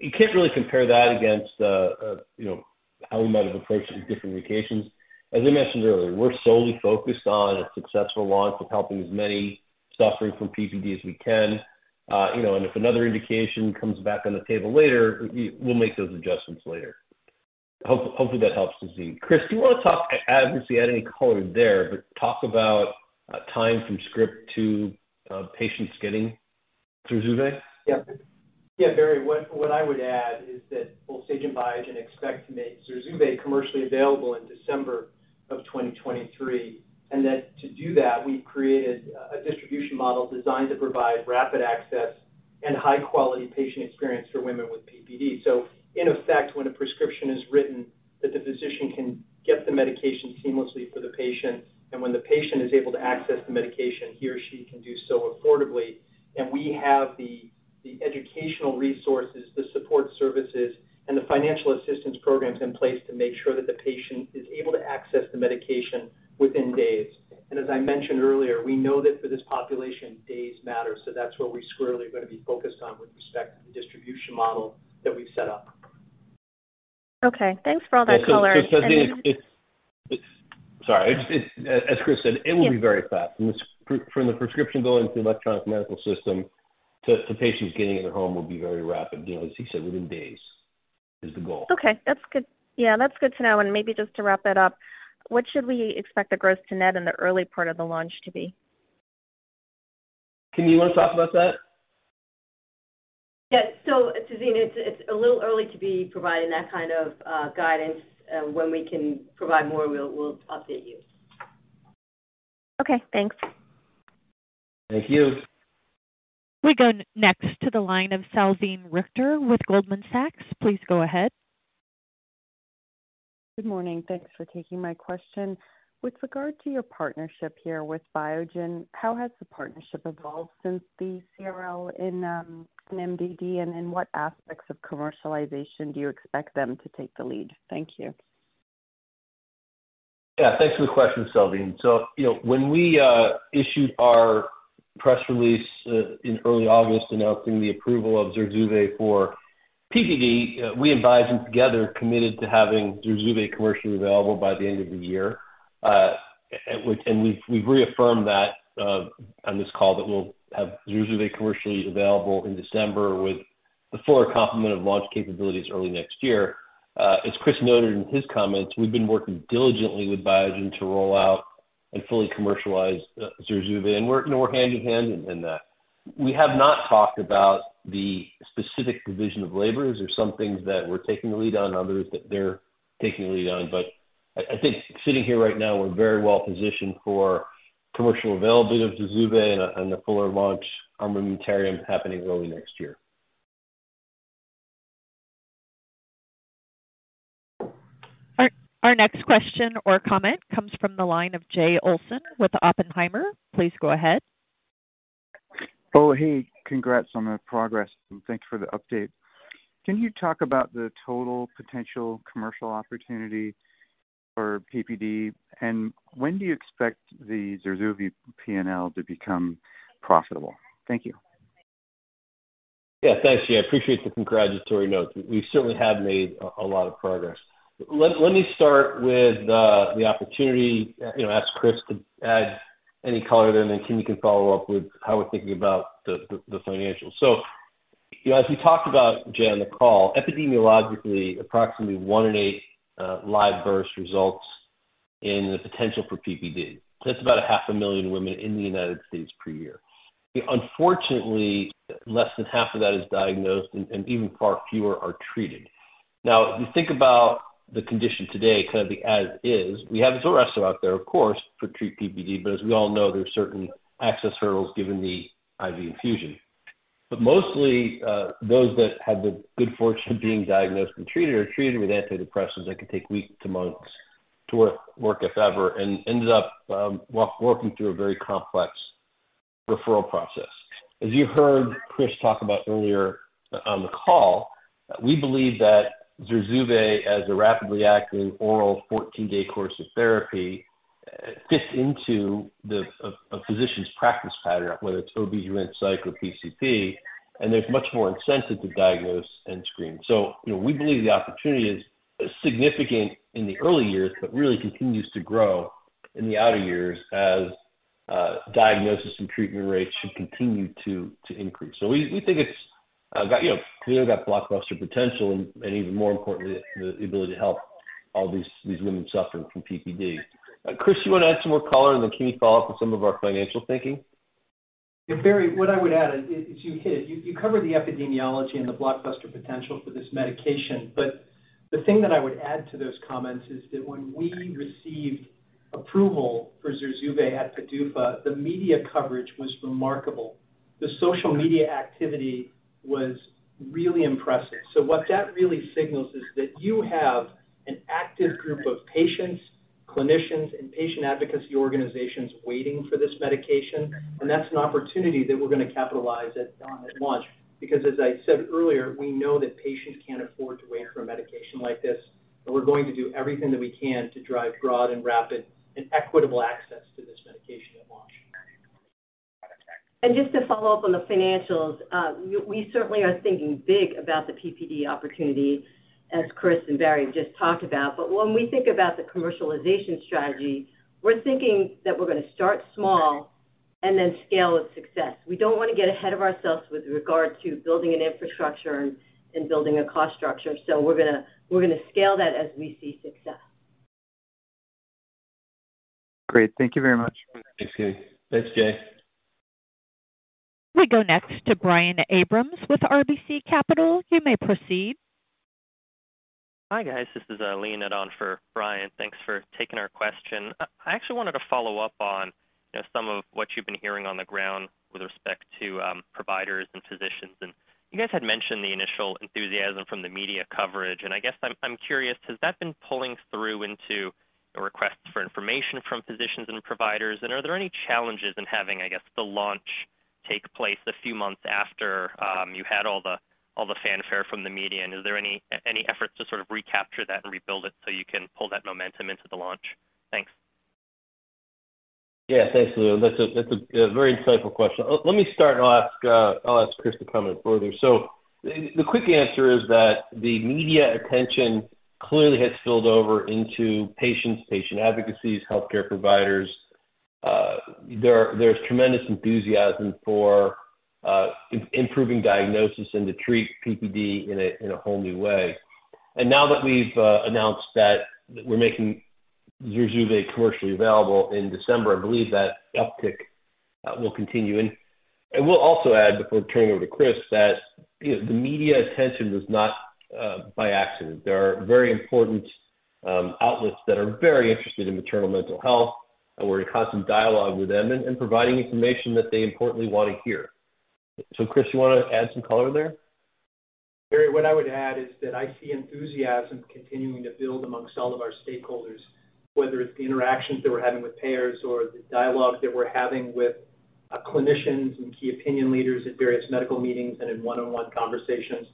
You can't really compare that against you know, how we might have approached it with different indications. As I mentioned earlier, we're solely focused on a successful launch of helping as many suffering from PPD as we can. You know, and if another indication comes back on the table later, we, we'll make those adjustments later. Hopefully that helps, Tazeen. Chris, do you want to talk, obviously, add any color there, but talk about time from script to patients getting Zurzuvae? Yeah. Yeah, Barry, what, what I would add is that both Sage and Biogen expect to make Zurzuvae commercially available in December of 2023, and that to do that, we've created a, a distribution model designed to provide rapid access and high quality patient experience for women with PPD. So in effect, when a prescription is written, that the physician can get the medication seamlessly for the patient, and when the patient is able to access the medication, he or she can do so affordably. And we have the, the educational resources, the support services, and the financial assistance programs in place to make sure that the patient is able to access the medication within days. And as I mentioned earlier, we know that for this population, days matter. That's what we squarely are going to be focused on with respect to the distribution model that we've set up. Okay, thanks for all that color. So, Tazeen, sorry. As Chris said, it will be very fast. From the prescription going through the electronic medical system to patients getting in their home will be very rapid. You know, as he said, within days is the goal. Okay, that's good. Yeah, that's good to know. Maybe just to wrap that up, what should we expect the growth to net in the early part of the launch to be? Kimi, you want to talk about that? Yes. So Tazeen, it's, it's a little early to be providing that kind of guidance. When we can provide more, we'll, we'll update you. Okay, thanks. Thank you. We go next to the line of Salveen Richter with Goldman Sachs. Please go ahead. Good morning. Thanks for taking my question. With regard to your partnership here with Biogen, how has the partnership evolved since the CRL in, in MDD? And in what aspects of commercialization do you expect them to take the lead? Thank you. Yeah, thanks for the question, Salveen. So, you know, when we issued our press release in early August announcing the approval of Zurzuvae for PPD, we and Biogen together committed to having Zurzuvae commercially available by the end of the year. And we've reaffirmed that on this call, that we'll have Zurzuvae commercially available in December with the full complement of launch capabilities early next year. As Chris noted in his comments, we've been working diligently with Biogen to roll out and fully commercialize Zurzuvae, and we're, you know, we're hand-in-hand in that. We have not talked about the specific division of labor. There's some things that we're taking the lead on, others that they're taking the lead on. But I think sitting here right now, we're very well positioned for commercial availability of Zurzuvae and a fuller launch on MDD happening early next year. Our next question or comment comes from the line of Jay Olson with Oppenheimer. Please go ahead. Oh, hey, congrats on the progress, and thanks for the update. Can you talk about the total potential commercial opportunity for PPD, and when do you expect the Zurzuvae PNL to become profitable? Thank you. Yeah, thanks, Jay. I appreciate the congratulatory notes. We certainly have made a lot of progress. Let me start with the opportunity, you know, ask Chris to add any color there, and then Kim can follow up with how we're thinking about the financials. So, you know, as we talked about, Jay, on the call, epidemiologically, approximately one in eight live births results in the potential for PPD. That's about 500,000 women in the United States per year. Unfortunately, less than half of that is diagnosed and even far fewer are treated. Now, if you think about the condition today, kind of the as is, we have Zulresso out there, of course, to treat PPD, but as we all know, there are certain access hurdles given the IV infusion. But mostly, those that have the good fortune of being diagnosed and treated are treated with antidepressants that can take weeks to months to work, if ever, and ended up working through a very complex referral process. As you heard Chris talk about earlier on the call, we believe that Zurzuvae, as a rapidly acting oral 14-day course of therapy, fits into the physician's practice pattern, whether it's OBGYN and Psych, or PCP, and there's much more incentive to diagnose and screen. So you know, we believe the opportunity is significant in the early years, but really continues to grow in the outer years as diagnosis and treatment rates should continue to increase. So we think it's, you know, clearly got blockbuster potential and even more importantly, the ability to help all these women suffering from PPD. Chris, you want to add some more color, and then can you follow up with some of our financial thinking? Yeah, Barry, what I would add is you hit it. You covered the epidemiology and the blockbuster potential for this medication. But the thing that I would add to those comments is that when we received approval for Zurzuvae at PDUFA, the media coverage was remarkable. The social media activity was really impressive. So what that really signals is that you have an active group of patients, clinicians, and patient advocacy organizations waiting for this medication, and that's an opportunity that we're going to capitalize on at launch. Because as I said earlier, we know that patients can't afford to wait for a medication like this, and we're going to do everything that we can to drive broad and rapid and equitable access to this medication at launch. Just to follow up on the financials, we certainly are thinking big about the PPD opportunity, as Chris and Barry just talked about. But when we think about the commercialization strategy, we're thinking that we're going to start small and then scale with success. We don't want to get ahead of ourselves with regard to building an infrastructure and building a cost structure. So we're going to scale that as we see success. Great. Thank you very much. Thanks, Jay. Thanks, Jay. We go next to Brian Abrams with RBC Capital. You may proceed. Hi, guys. This is Leonid on for Brian. Thanks for taking our question. I actually wanted to follow up on, you know, some of what you've been hearing on the ground with respect to providers and physicians. And you guys had mentioned the initial enthusiasm from the media coverage, and I guess I'm curious, has that been pulling through into requests for information from physicians and providers? And are there any challenges in having, I guess, the launch take place a few months after you had all the fanfare from the media? And is there any efforts to sort of recapture that and rebuild it so you can pull that momentum into the launch? Thanks. Yeah, thanks, Leon. That's a very insightful question. Let me start, and I'll ask Chris to comment further. So the quick answer is that the media attention clearly has spilled over into patients, patient advocacies, healthcare providers. There's tremendous enthusiasm for improving diagnosis and to treat PPD in a whole new way. And now that we've announced that we're making Zurzuvae commercially available in December, I believe that uptick will continue. And we'll also add, before turning over to Chris, that, you know, the media attention was not by accident. There are very important outlets that are very interested in maternal mental health, and we're in constant dialogue with them and providing information that they importantly want to hear. So Chris, you want to add some color there? Barry, what I would add is that I see enthusiasm continuing to build among all of our stakeholders, whether it's the interactions that we're having with payers or the dialogues that we're having with clinicians and key opinion leaders at various medical meetings and in one-on-one conversations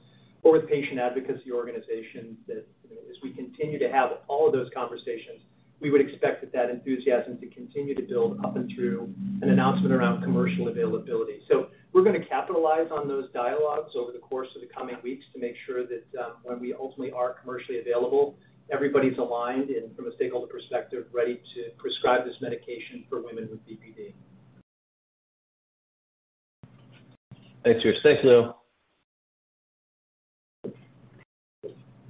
or with patient advocacy organizations. That, you know, as we continue to have all of those conversations, we would expect that enthusiasm to continue to build up and through an announcement around commercial availability. So we're going to capitalize on those dialogues over the course of the coming weeks to make sure that when we ultimately are commercially available, everybody's aligned and from a stakeholder perspective, ready to prescribe this medication for women with PPD. Thanks, Chris. Thanks, Leon.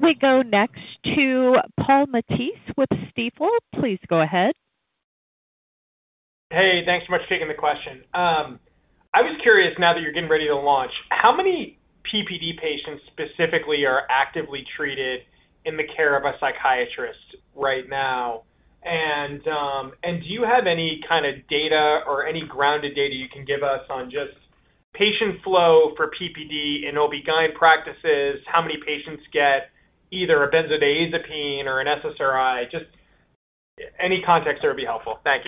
We go next to Paul Matteis with Stifel. Please go ahead. Hey, thanks so much for taking the question. I was curious, now that you're getting ready to launch, how many PPD patients specifically are actively treated in the care of a psychiatrist right now? And, do you have any kind of data or any grounded data you can give us on just patient flow for PPD in OB-GYN practices? How many patients get either a Benzodiazepine or an SSRI? Just any context there would be helpful. Thank you.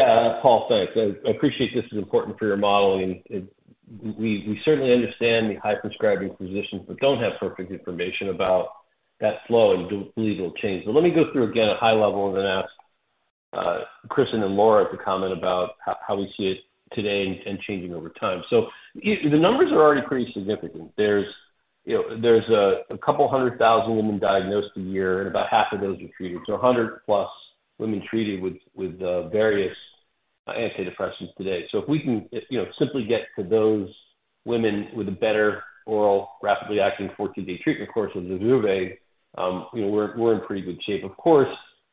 Yeah, Paul, thanks. I appreciate this is important for your modeling. It. We certainly understand the high prescribing physicians but don't have perfect information about that flow and do believe it'll change. But let me go through again at high level and then ask Chris and then Laura to comment about how we see it today and changing over time. So the numbers are already pretty significant. There's, you know, there's a couple 200,000 women diagnosed a year, and about half of those are treated. So 100,000+ women treated with various antidepressants today. So if we can, you know, simply get to those women with a better oral, rapidly acting, 14-day treatment course of Zurzuvae, you know, we're in pretty good shape. Of course,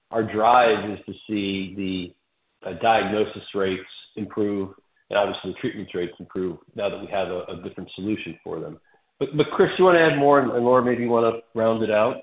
our drive is to see the diagnosis rates improve and obviously the treatment rates improve now that we have a different solution for them. But, Chris, you want to add more, and Laura, maybe you want to round it out?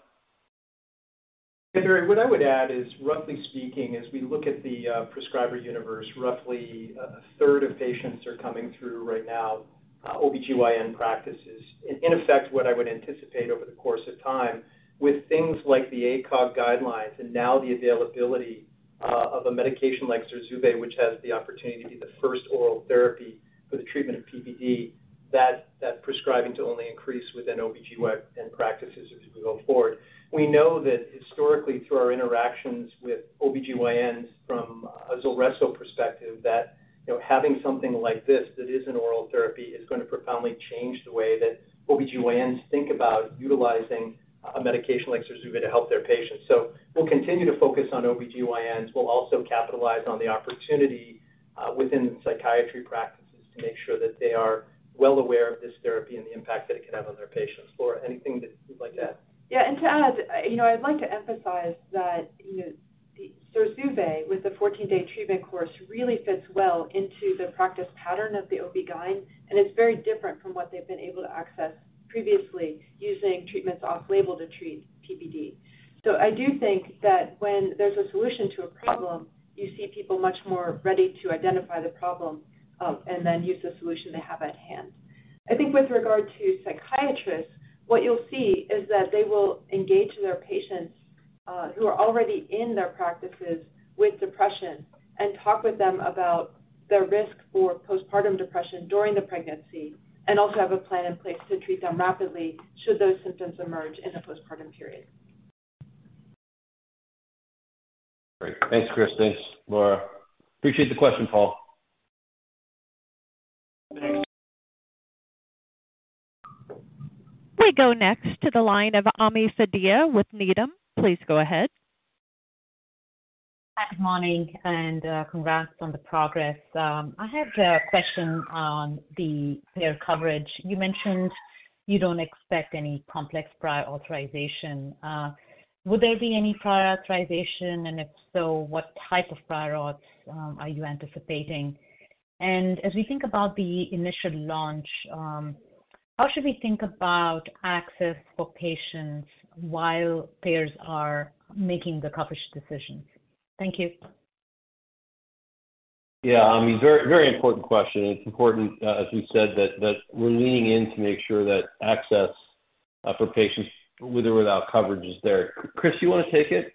Yeah, Barry, what I would add is, roughly speaking, as we look at the prescriber universe, roughly a third of patients are coming through right now, OBGYN practices. In effect, what I would anticipate over the course of time, with things like the ACOG guidelines and now the availability of a medication like Zurzuvae, which has the opportunity to be the first oral therapy for the treatment of PPD, that prescribing to only increase within OBGYN practices as we go forward. We know that historically, through our interactions with OBGYNs from a Zulresso perspective, that, you know, having something like this that is an oral therapy is going to profoundly change the way that OBGYNs think about utilizing a medication like Zurzuvae to help their patients. So we'll continue to focus on OBGYNs. We'll also capitalize on the opportunity within psychiatry practices to make sure that they are well aware of this therapy and the impact that it could have on their patients. Laura, anything that you'd like to add? Yeah, and to add, you know, I'd like to emphasize that, you know, the Zurzuvae, with the 14-day treatment course, really fits well into the practice pattern of the OB-GYN, and it's very different from what they've been able to access previously, using treatments off-label to treat PPD. So I do think that when there's a solution to a problem, you see people much more ready to identify the problem, and then use the solution they have at hand. I think with regard to psychiatrists, what you'll see is that they will engage their patients, who are already in their practices with depression and talk with them about their risk for postpartum depression during the pregnancy and also have a plan in place to treat them rapidly should those symptoms emerge in the postpartum period. Great. Thanks, Chris. Thanks, Laura. Appreciate the question, Paul. We go next to the line of Ami Fadia with Needham. Please go ahead. Good morning, and congrats on the progress. I had a question on the payer coverage. You mentioned you don't expect any complex prior authorization. Would there be any prior authorization, and if so, what type of prior auth are you anticipating? And as we think about the initial launch, how should we think about access for patients while payers are making the coverage decisions? Thank you. Yeah, Ami, very, very important question. It's important, as we said, that, that we're leaning in to make sure that access for patients with or without coverage is there. Chris, you want to take it?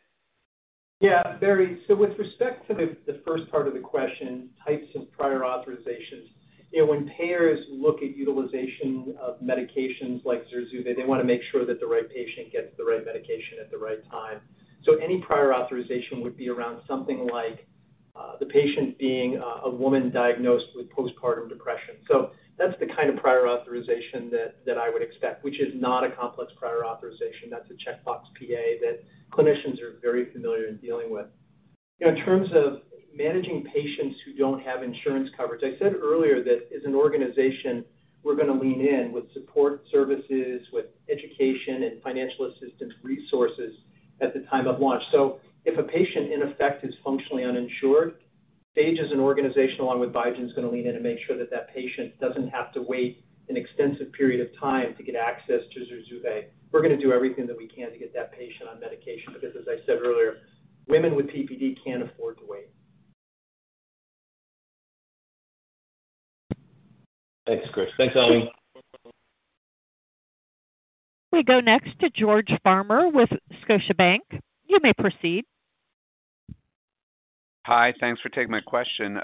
Yeah, Barry. So with respect to the first part of the question, types of prior authorizations, you know, when payers look at utilization of medications like Zurzuvae, they want to make sure that the right patient gets the right medication at the right time. So any prior authorization would be around something like the patient being a woman diagnosed with postpartum depression. So that's the kind of prior authorization that I would expect, which is not a complex prior authorization. That's a checkbox PA that clinicians are very familiar in dealing with. In terms of managing patients who don't have insurance coverage, I said earlier that as an organization, we're going to lean in with support services, with education and financial assistance resources at the time of launch. So if a patient, in effect, is functionally uninsured, Sage as an organization, along with Biogen, is going to lean in and make sure that that patient doesn't have to wait an extensive period of time to get access to Zurzuvae. We're going to do everything that we can to get that patient on medication, because as I said earlier, women with PPD can't afford to wait. Thanks, Chris. Thanks, Ami. We go next to George Farmer with Scotiabank. You may proceed. Hi, thanks for taking my question.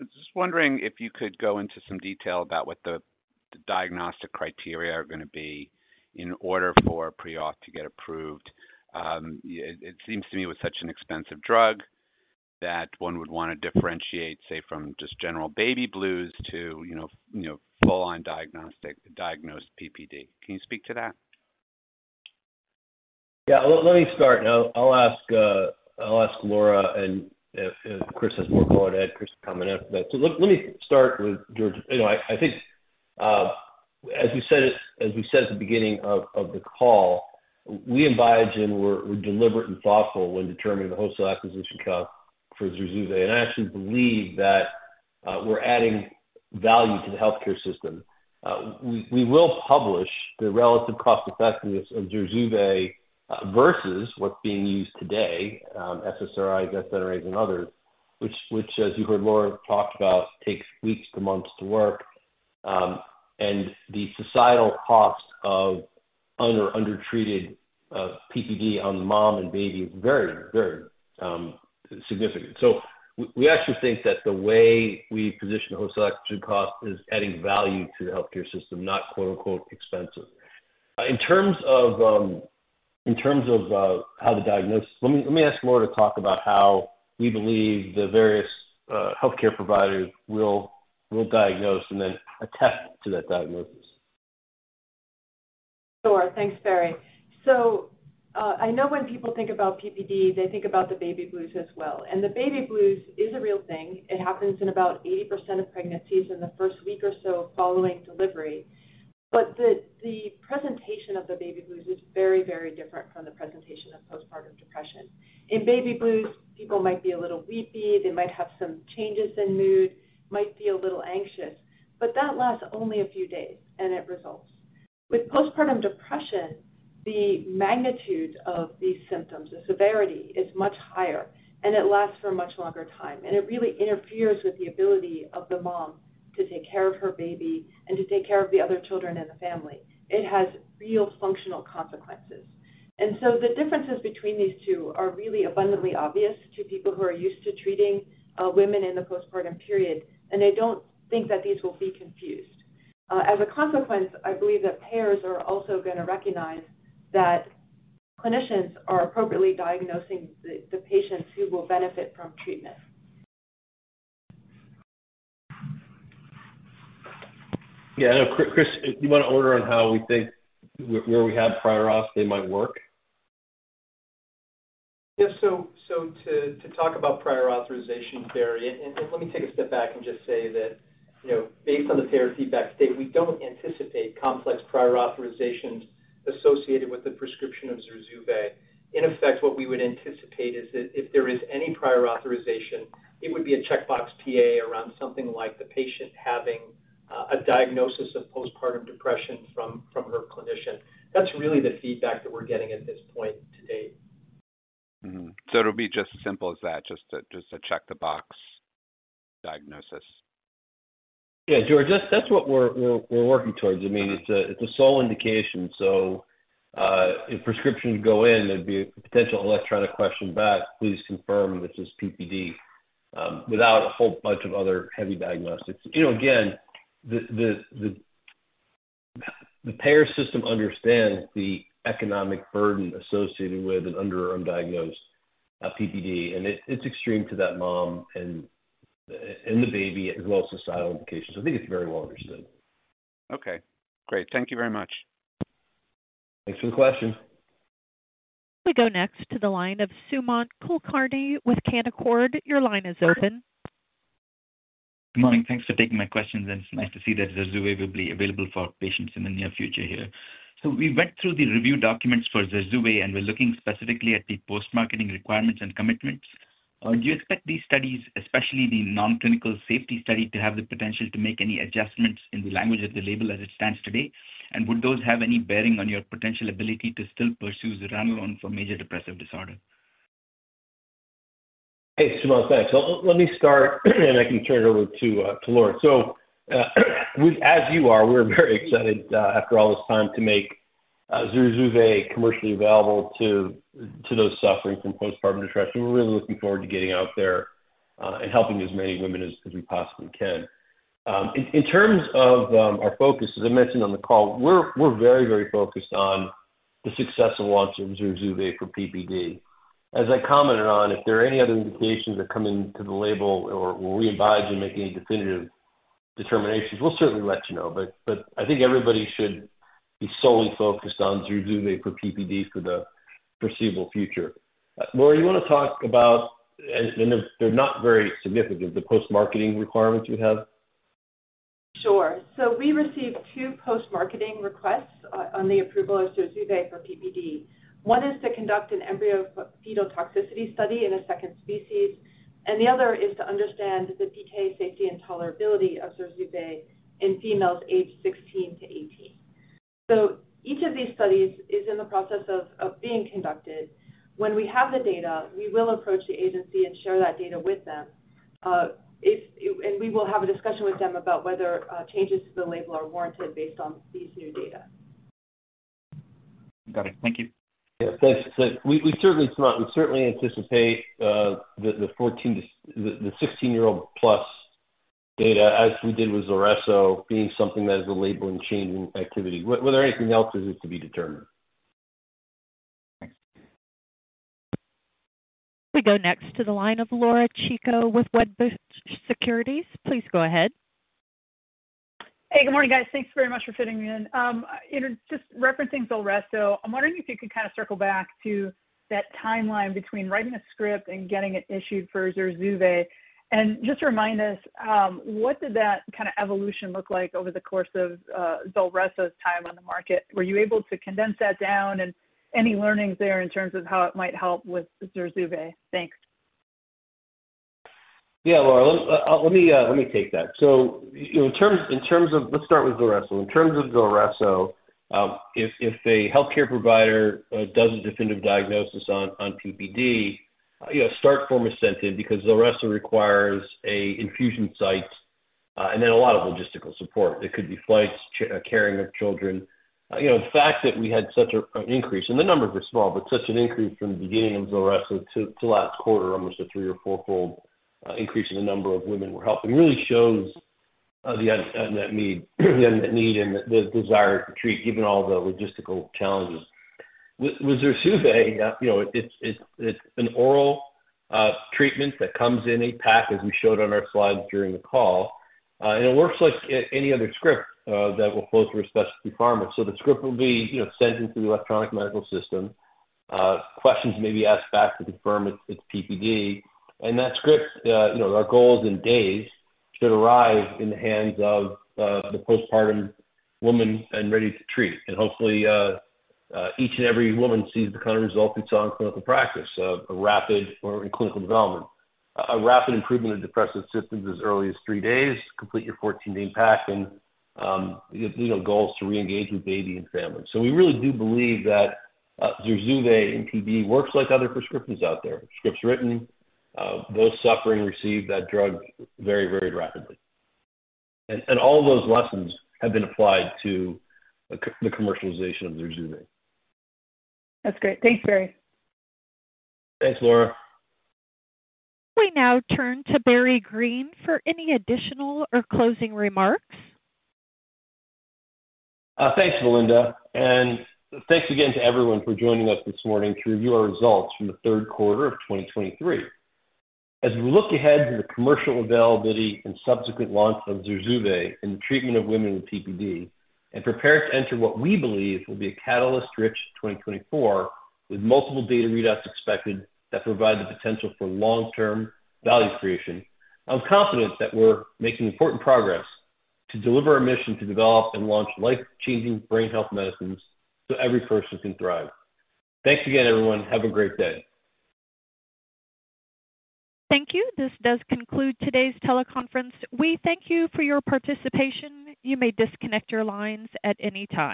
Just wondering if you could go into some detail about what the diagnostic criteria are going to be in order for pre-op to get approved. It seems to me with such an expensive drug, that one would want to differentiate, say, from just general baby blues to, you know, you know, full-on diagnostic, diagnosed PPD. Can you speak to that? Yeah, let me start, and I'll ask Laura, and if Chris has more to go on, Chris can comment after that. So let me start with George. You know, I think, as we said at the beginning of the call, we at Biogen, we're deliberate and thoughtful when determining the wholesale acquisition cost for Zurzuvae, and I actually believe that we're adding value to the healthcare system. We will publish the relative cost effectiveness of Zurzuvae versus what's being used today, SSRIs, SNRIs, and others, which, as you heard Laura talked about, takes weeks to months to work. And the societal cost of undertreated PPD on the mom and baby is very, very significant. So we actually think that the way we position the Wholesale Acquisition Cost is adding value to the healthcare system, not quote-unquote "expensive." In terms of how the diagnosis— Let me ask Laura to talk about how we believe the various healthcare providers will diagnose and then attest to that diagnosis. Sure. Thanks, Barry. So, I know when people think about PPD, they think about the baby blues as well. And the baby blues is a real thing. It happens in about 80% of pregnancies in the first week or so following delivery. But the presentation of the baby blues is very, very different from the presentation of Postpartum Depression. In baby blues, people might be a little weepy, they might have some changes in mood, might feel a little anxious, but that lasts only a few days, and it resolves. With Postpartum Depression, the magnitude of these symptoms, the severity, is much higher, and it lasts for a much longer time, and it really interferes with the ability of the mom to take care of her baby and to take care of the other children in the family. It has real functional consequences. The differences between these two are really abundantly obvious to people who are used to treating women in the postpartum period, and I don't think that these will be confused. As a consequence, I believe that payers are also going to recognize that clinicians are appropriately diagnosing the patients who will benefit from treatment. Yeah. Chris, you want to order on how we think, where we have prior auth, they might work? Yeah. So, to talk about prior authorization, Barry, and let me take a step back and just say that, you know, based on the payer feedback today, we don't anticipate complex prior authorizations associated with the prescription of Zurzuvae. In effect, what we would anticipate is that if there is any prior authorization, it would be a checkbox PA around something like the patient having a diagnosis of postpartum depression from her clinician. That's really the feedback that we're getting at this point to date. Mm-hmm. So it'll be just as simple as that, just to, just to check the box diagnosis. Yeah, George, that's what we're working towards. I mean, it's a sole indication, so if prescriptions go in, there'd be a potential electronic question back, "Please confirm this is PPD," without a whole bunch of other heavy diagnostics. You know, again, the payer system understands the economic burden associated with an underdiagnosed PPD, and it's extreme to that mom and the baby, as well as the sole indications. I think it's very well understood. Okay, great. Thank you very much. Thanks for the question. We go next to the line of Sumant Kulkarni with Canaccord. Your line is open. Good morning. Thanks for taking my questions, and it's nice to see that Zurzuvae will be available for patients in the near future here. So we went through the review documents for Zurzuvae, and we're looking specifically at the post-marketing requirements and commitments. Do you expect these studies, especially the non-clinical safety study, to have the potential to make any adjustments in the language of the label as it stands today? And would those have any bearing on your potential ability to still pursue Zuranolone for major depressive disorder? Hey, Sumant, thanks. So let me start, and I can turn it over to Laura. So, as you are, we're very excited, after all this time, to make Zurzuvae commercially available to those suffering from postpartum depression. We're really looking forward to getting out there, and helping as many women as we possibly can. In terms of our focus, as I mentioned on the call, we're very, very focused on the successful launch of Zurzuvae for PPD. As I commented on, if there are any other indications that come into the label or will readvise you make any definitive determinations, we'll certainly let you know. But, I think everybody should be solely focused on Zurzuvae for PPD for the foreseeable future. Laura, you want to talk about, and they're not very significant, the post-marketing requirements we have? Sure. We received two post-marketing requests on the approval of Zurzuvae for PPD. One is to conduct an embryo fetal toxicity study in a second species, and the other is to understand the PK safety and tolerability of Zurzuvae in females aged 16 to 18. Each of these studies is in the process of being conducted. When we have the data, we will approach the agency and share that data with them. If, and we will have a discussion with them about whether changes to the label are warranted based on these new data. Got it. Thank you. Yeah, thanks. We certainly, Sumant, we certainly anticipate the 14- to 16-year-old plus data, as we did with Zulresso, being something that is a labeling change in activity. Were there anything else, is it to be determined? Thanks. We go next to the line of Laura Chico with Wedbush Securities. Please go ahead. Hey, good morning, guys. Thanks very much for fitting me in. You know, just referencing Zulresso, I'm wondering if you could kind of circle back to that timeline between writing a script and getting it issued for Zurzuvae. And just remind us, what did that kind of evolution look like over the course of Zulresso's time on the market? Were you able to condense that down, and any learnings there in terms of how it might help with Zurzuvae? Thanks. Yeah, Laura. Let me take that. So, you know, in terms of. Let's start with Zulresso. In terms of Zulresso, if a healthcare provider does a definitive diagnosis on PPD, you know, strong incentive because Zulresso requires an infusion site, and then a lot of logistical support. It could be flights, carrying of children. You know, the fact that we had such an increase, and the numbers were small, but such an increase from the beginning of Zulresso to last quarter, almost a three- or fourfold increase in the number of women we're helping, really shows the unmet need and the desire to treat, given all the logistical challenges. With Zurzuvae, you know, it's an oral treatment that comes in a pack, as we showed on our slides during the call. And it works like any other script that will flow through a specialty pharmacy. So the script will be, you know, sent in through the electronic medical system. Questions may be asked back to confirm it's PPD. And that script, you know, our goal is in days, should arrive in the hands of the postpartum woman and ready to treat. And hopefully, each and every woman sees the kind of results we saw in clinical practice or in clinical development. A rapid improvement in depressive symptoms as early as three days, complete your 14-day pack, and, you know, goal is to reengage with baby and family. So we really do believe that Zurzuvae in PPD works like other prescriptions out there. Scripts written, those suffering receive that drug very, very rapidly. And all those lessons have been applied to the commercialization of Zurzuvae. That's great. Thanks, Barry. Thanks, Laura. We now turn to Barry Greene for any additional or closing remarks. Thanks, Melinda, and thanks again to everyone for joining us this morning to review our results from the Q3 of 2023. As we look ahead to the commercial availability and subsequent launch of Zurzuvae in the treatment of women with PPD and prepare to enter what we believe will be a catalyst-rich 2024, with multiple data readouts expected that provide the potential for long-term value creation, I'm confident that we're making important progress to deliver our mission to develop and launch life-changing brain health medicines so every person can thrive. Thanks again, everyone. Have a great day. Thank you. This does conclude today's teleconference. We thank you for your participation. You may disconnect your lines at any time.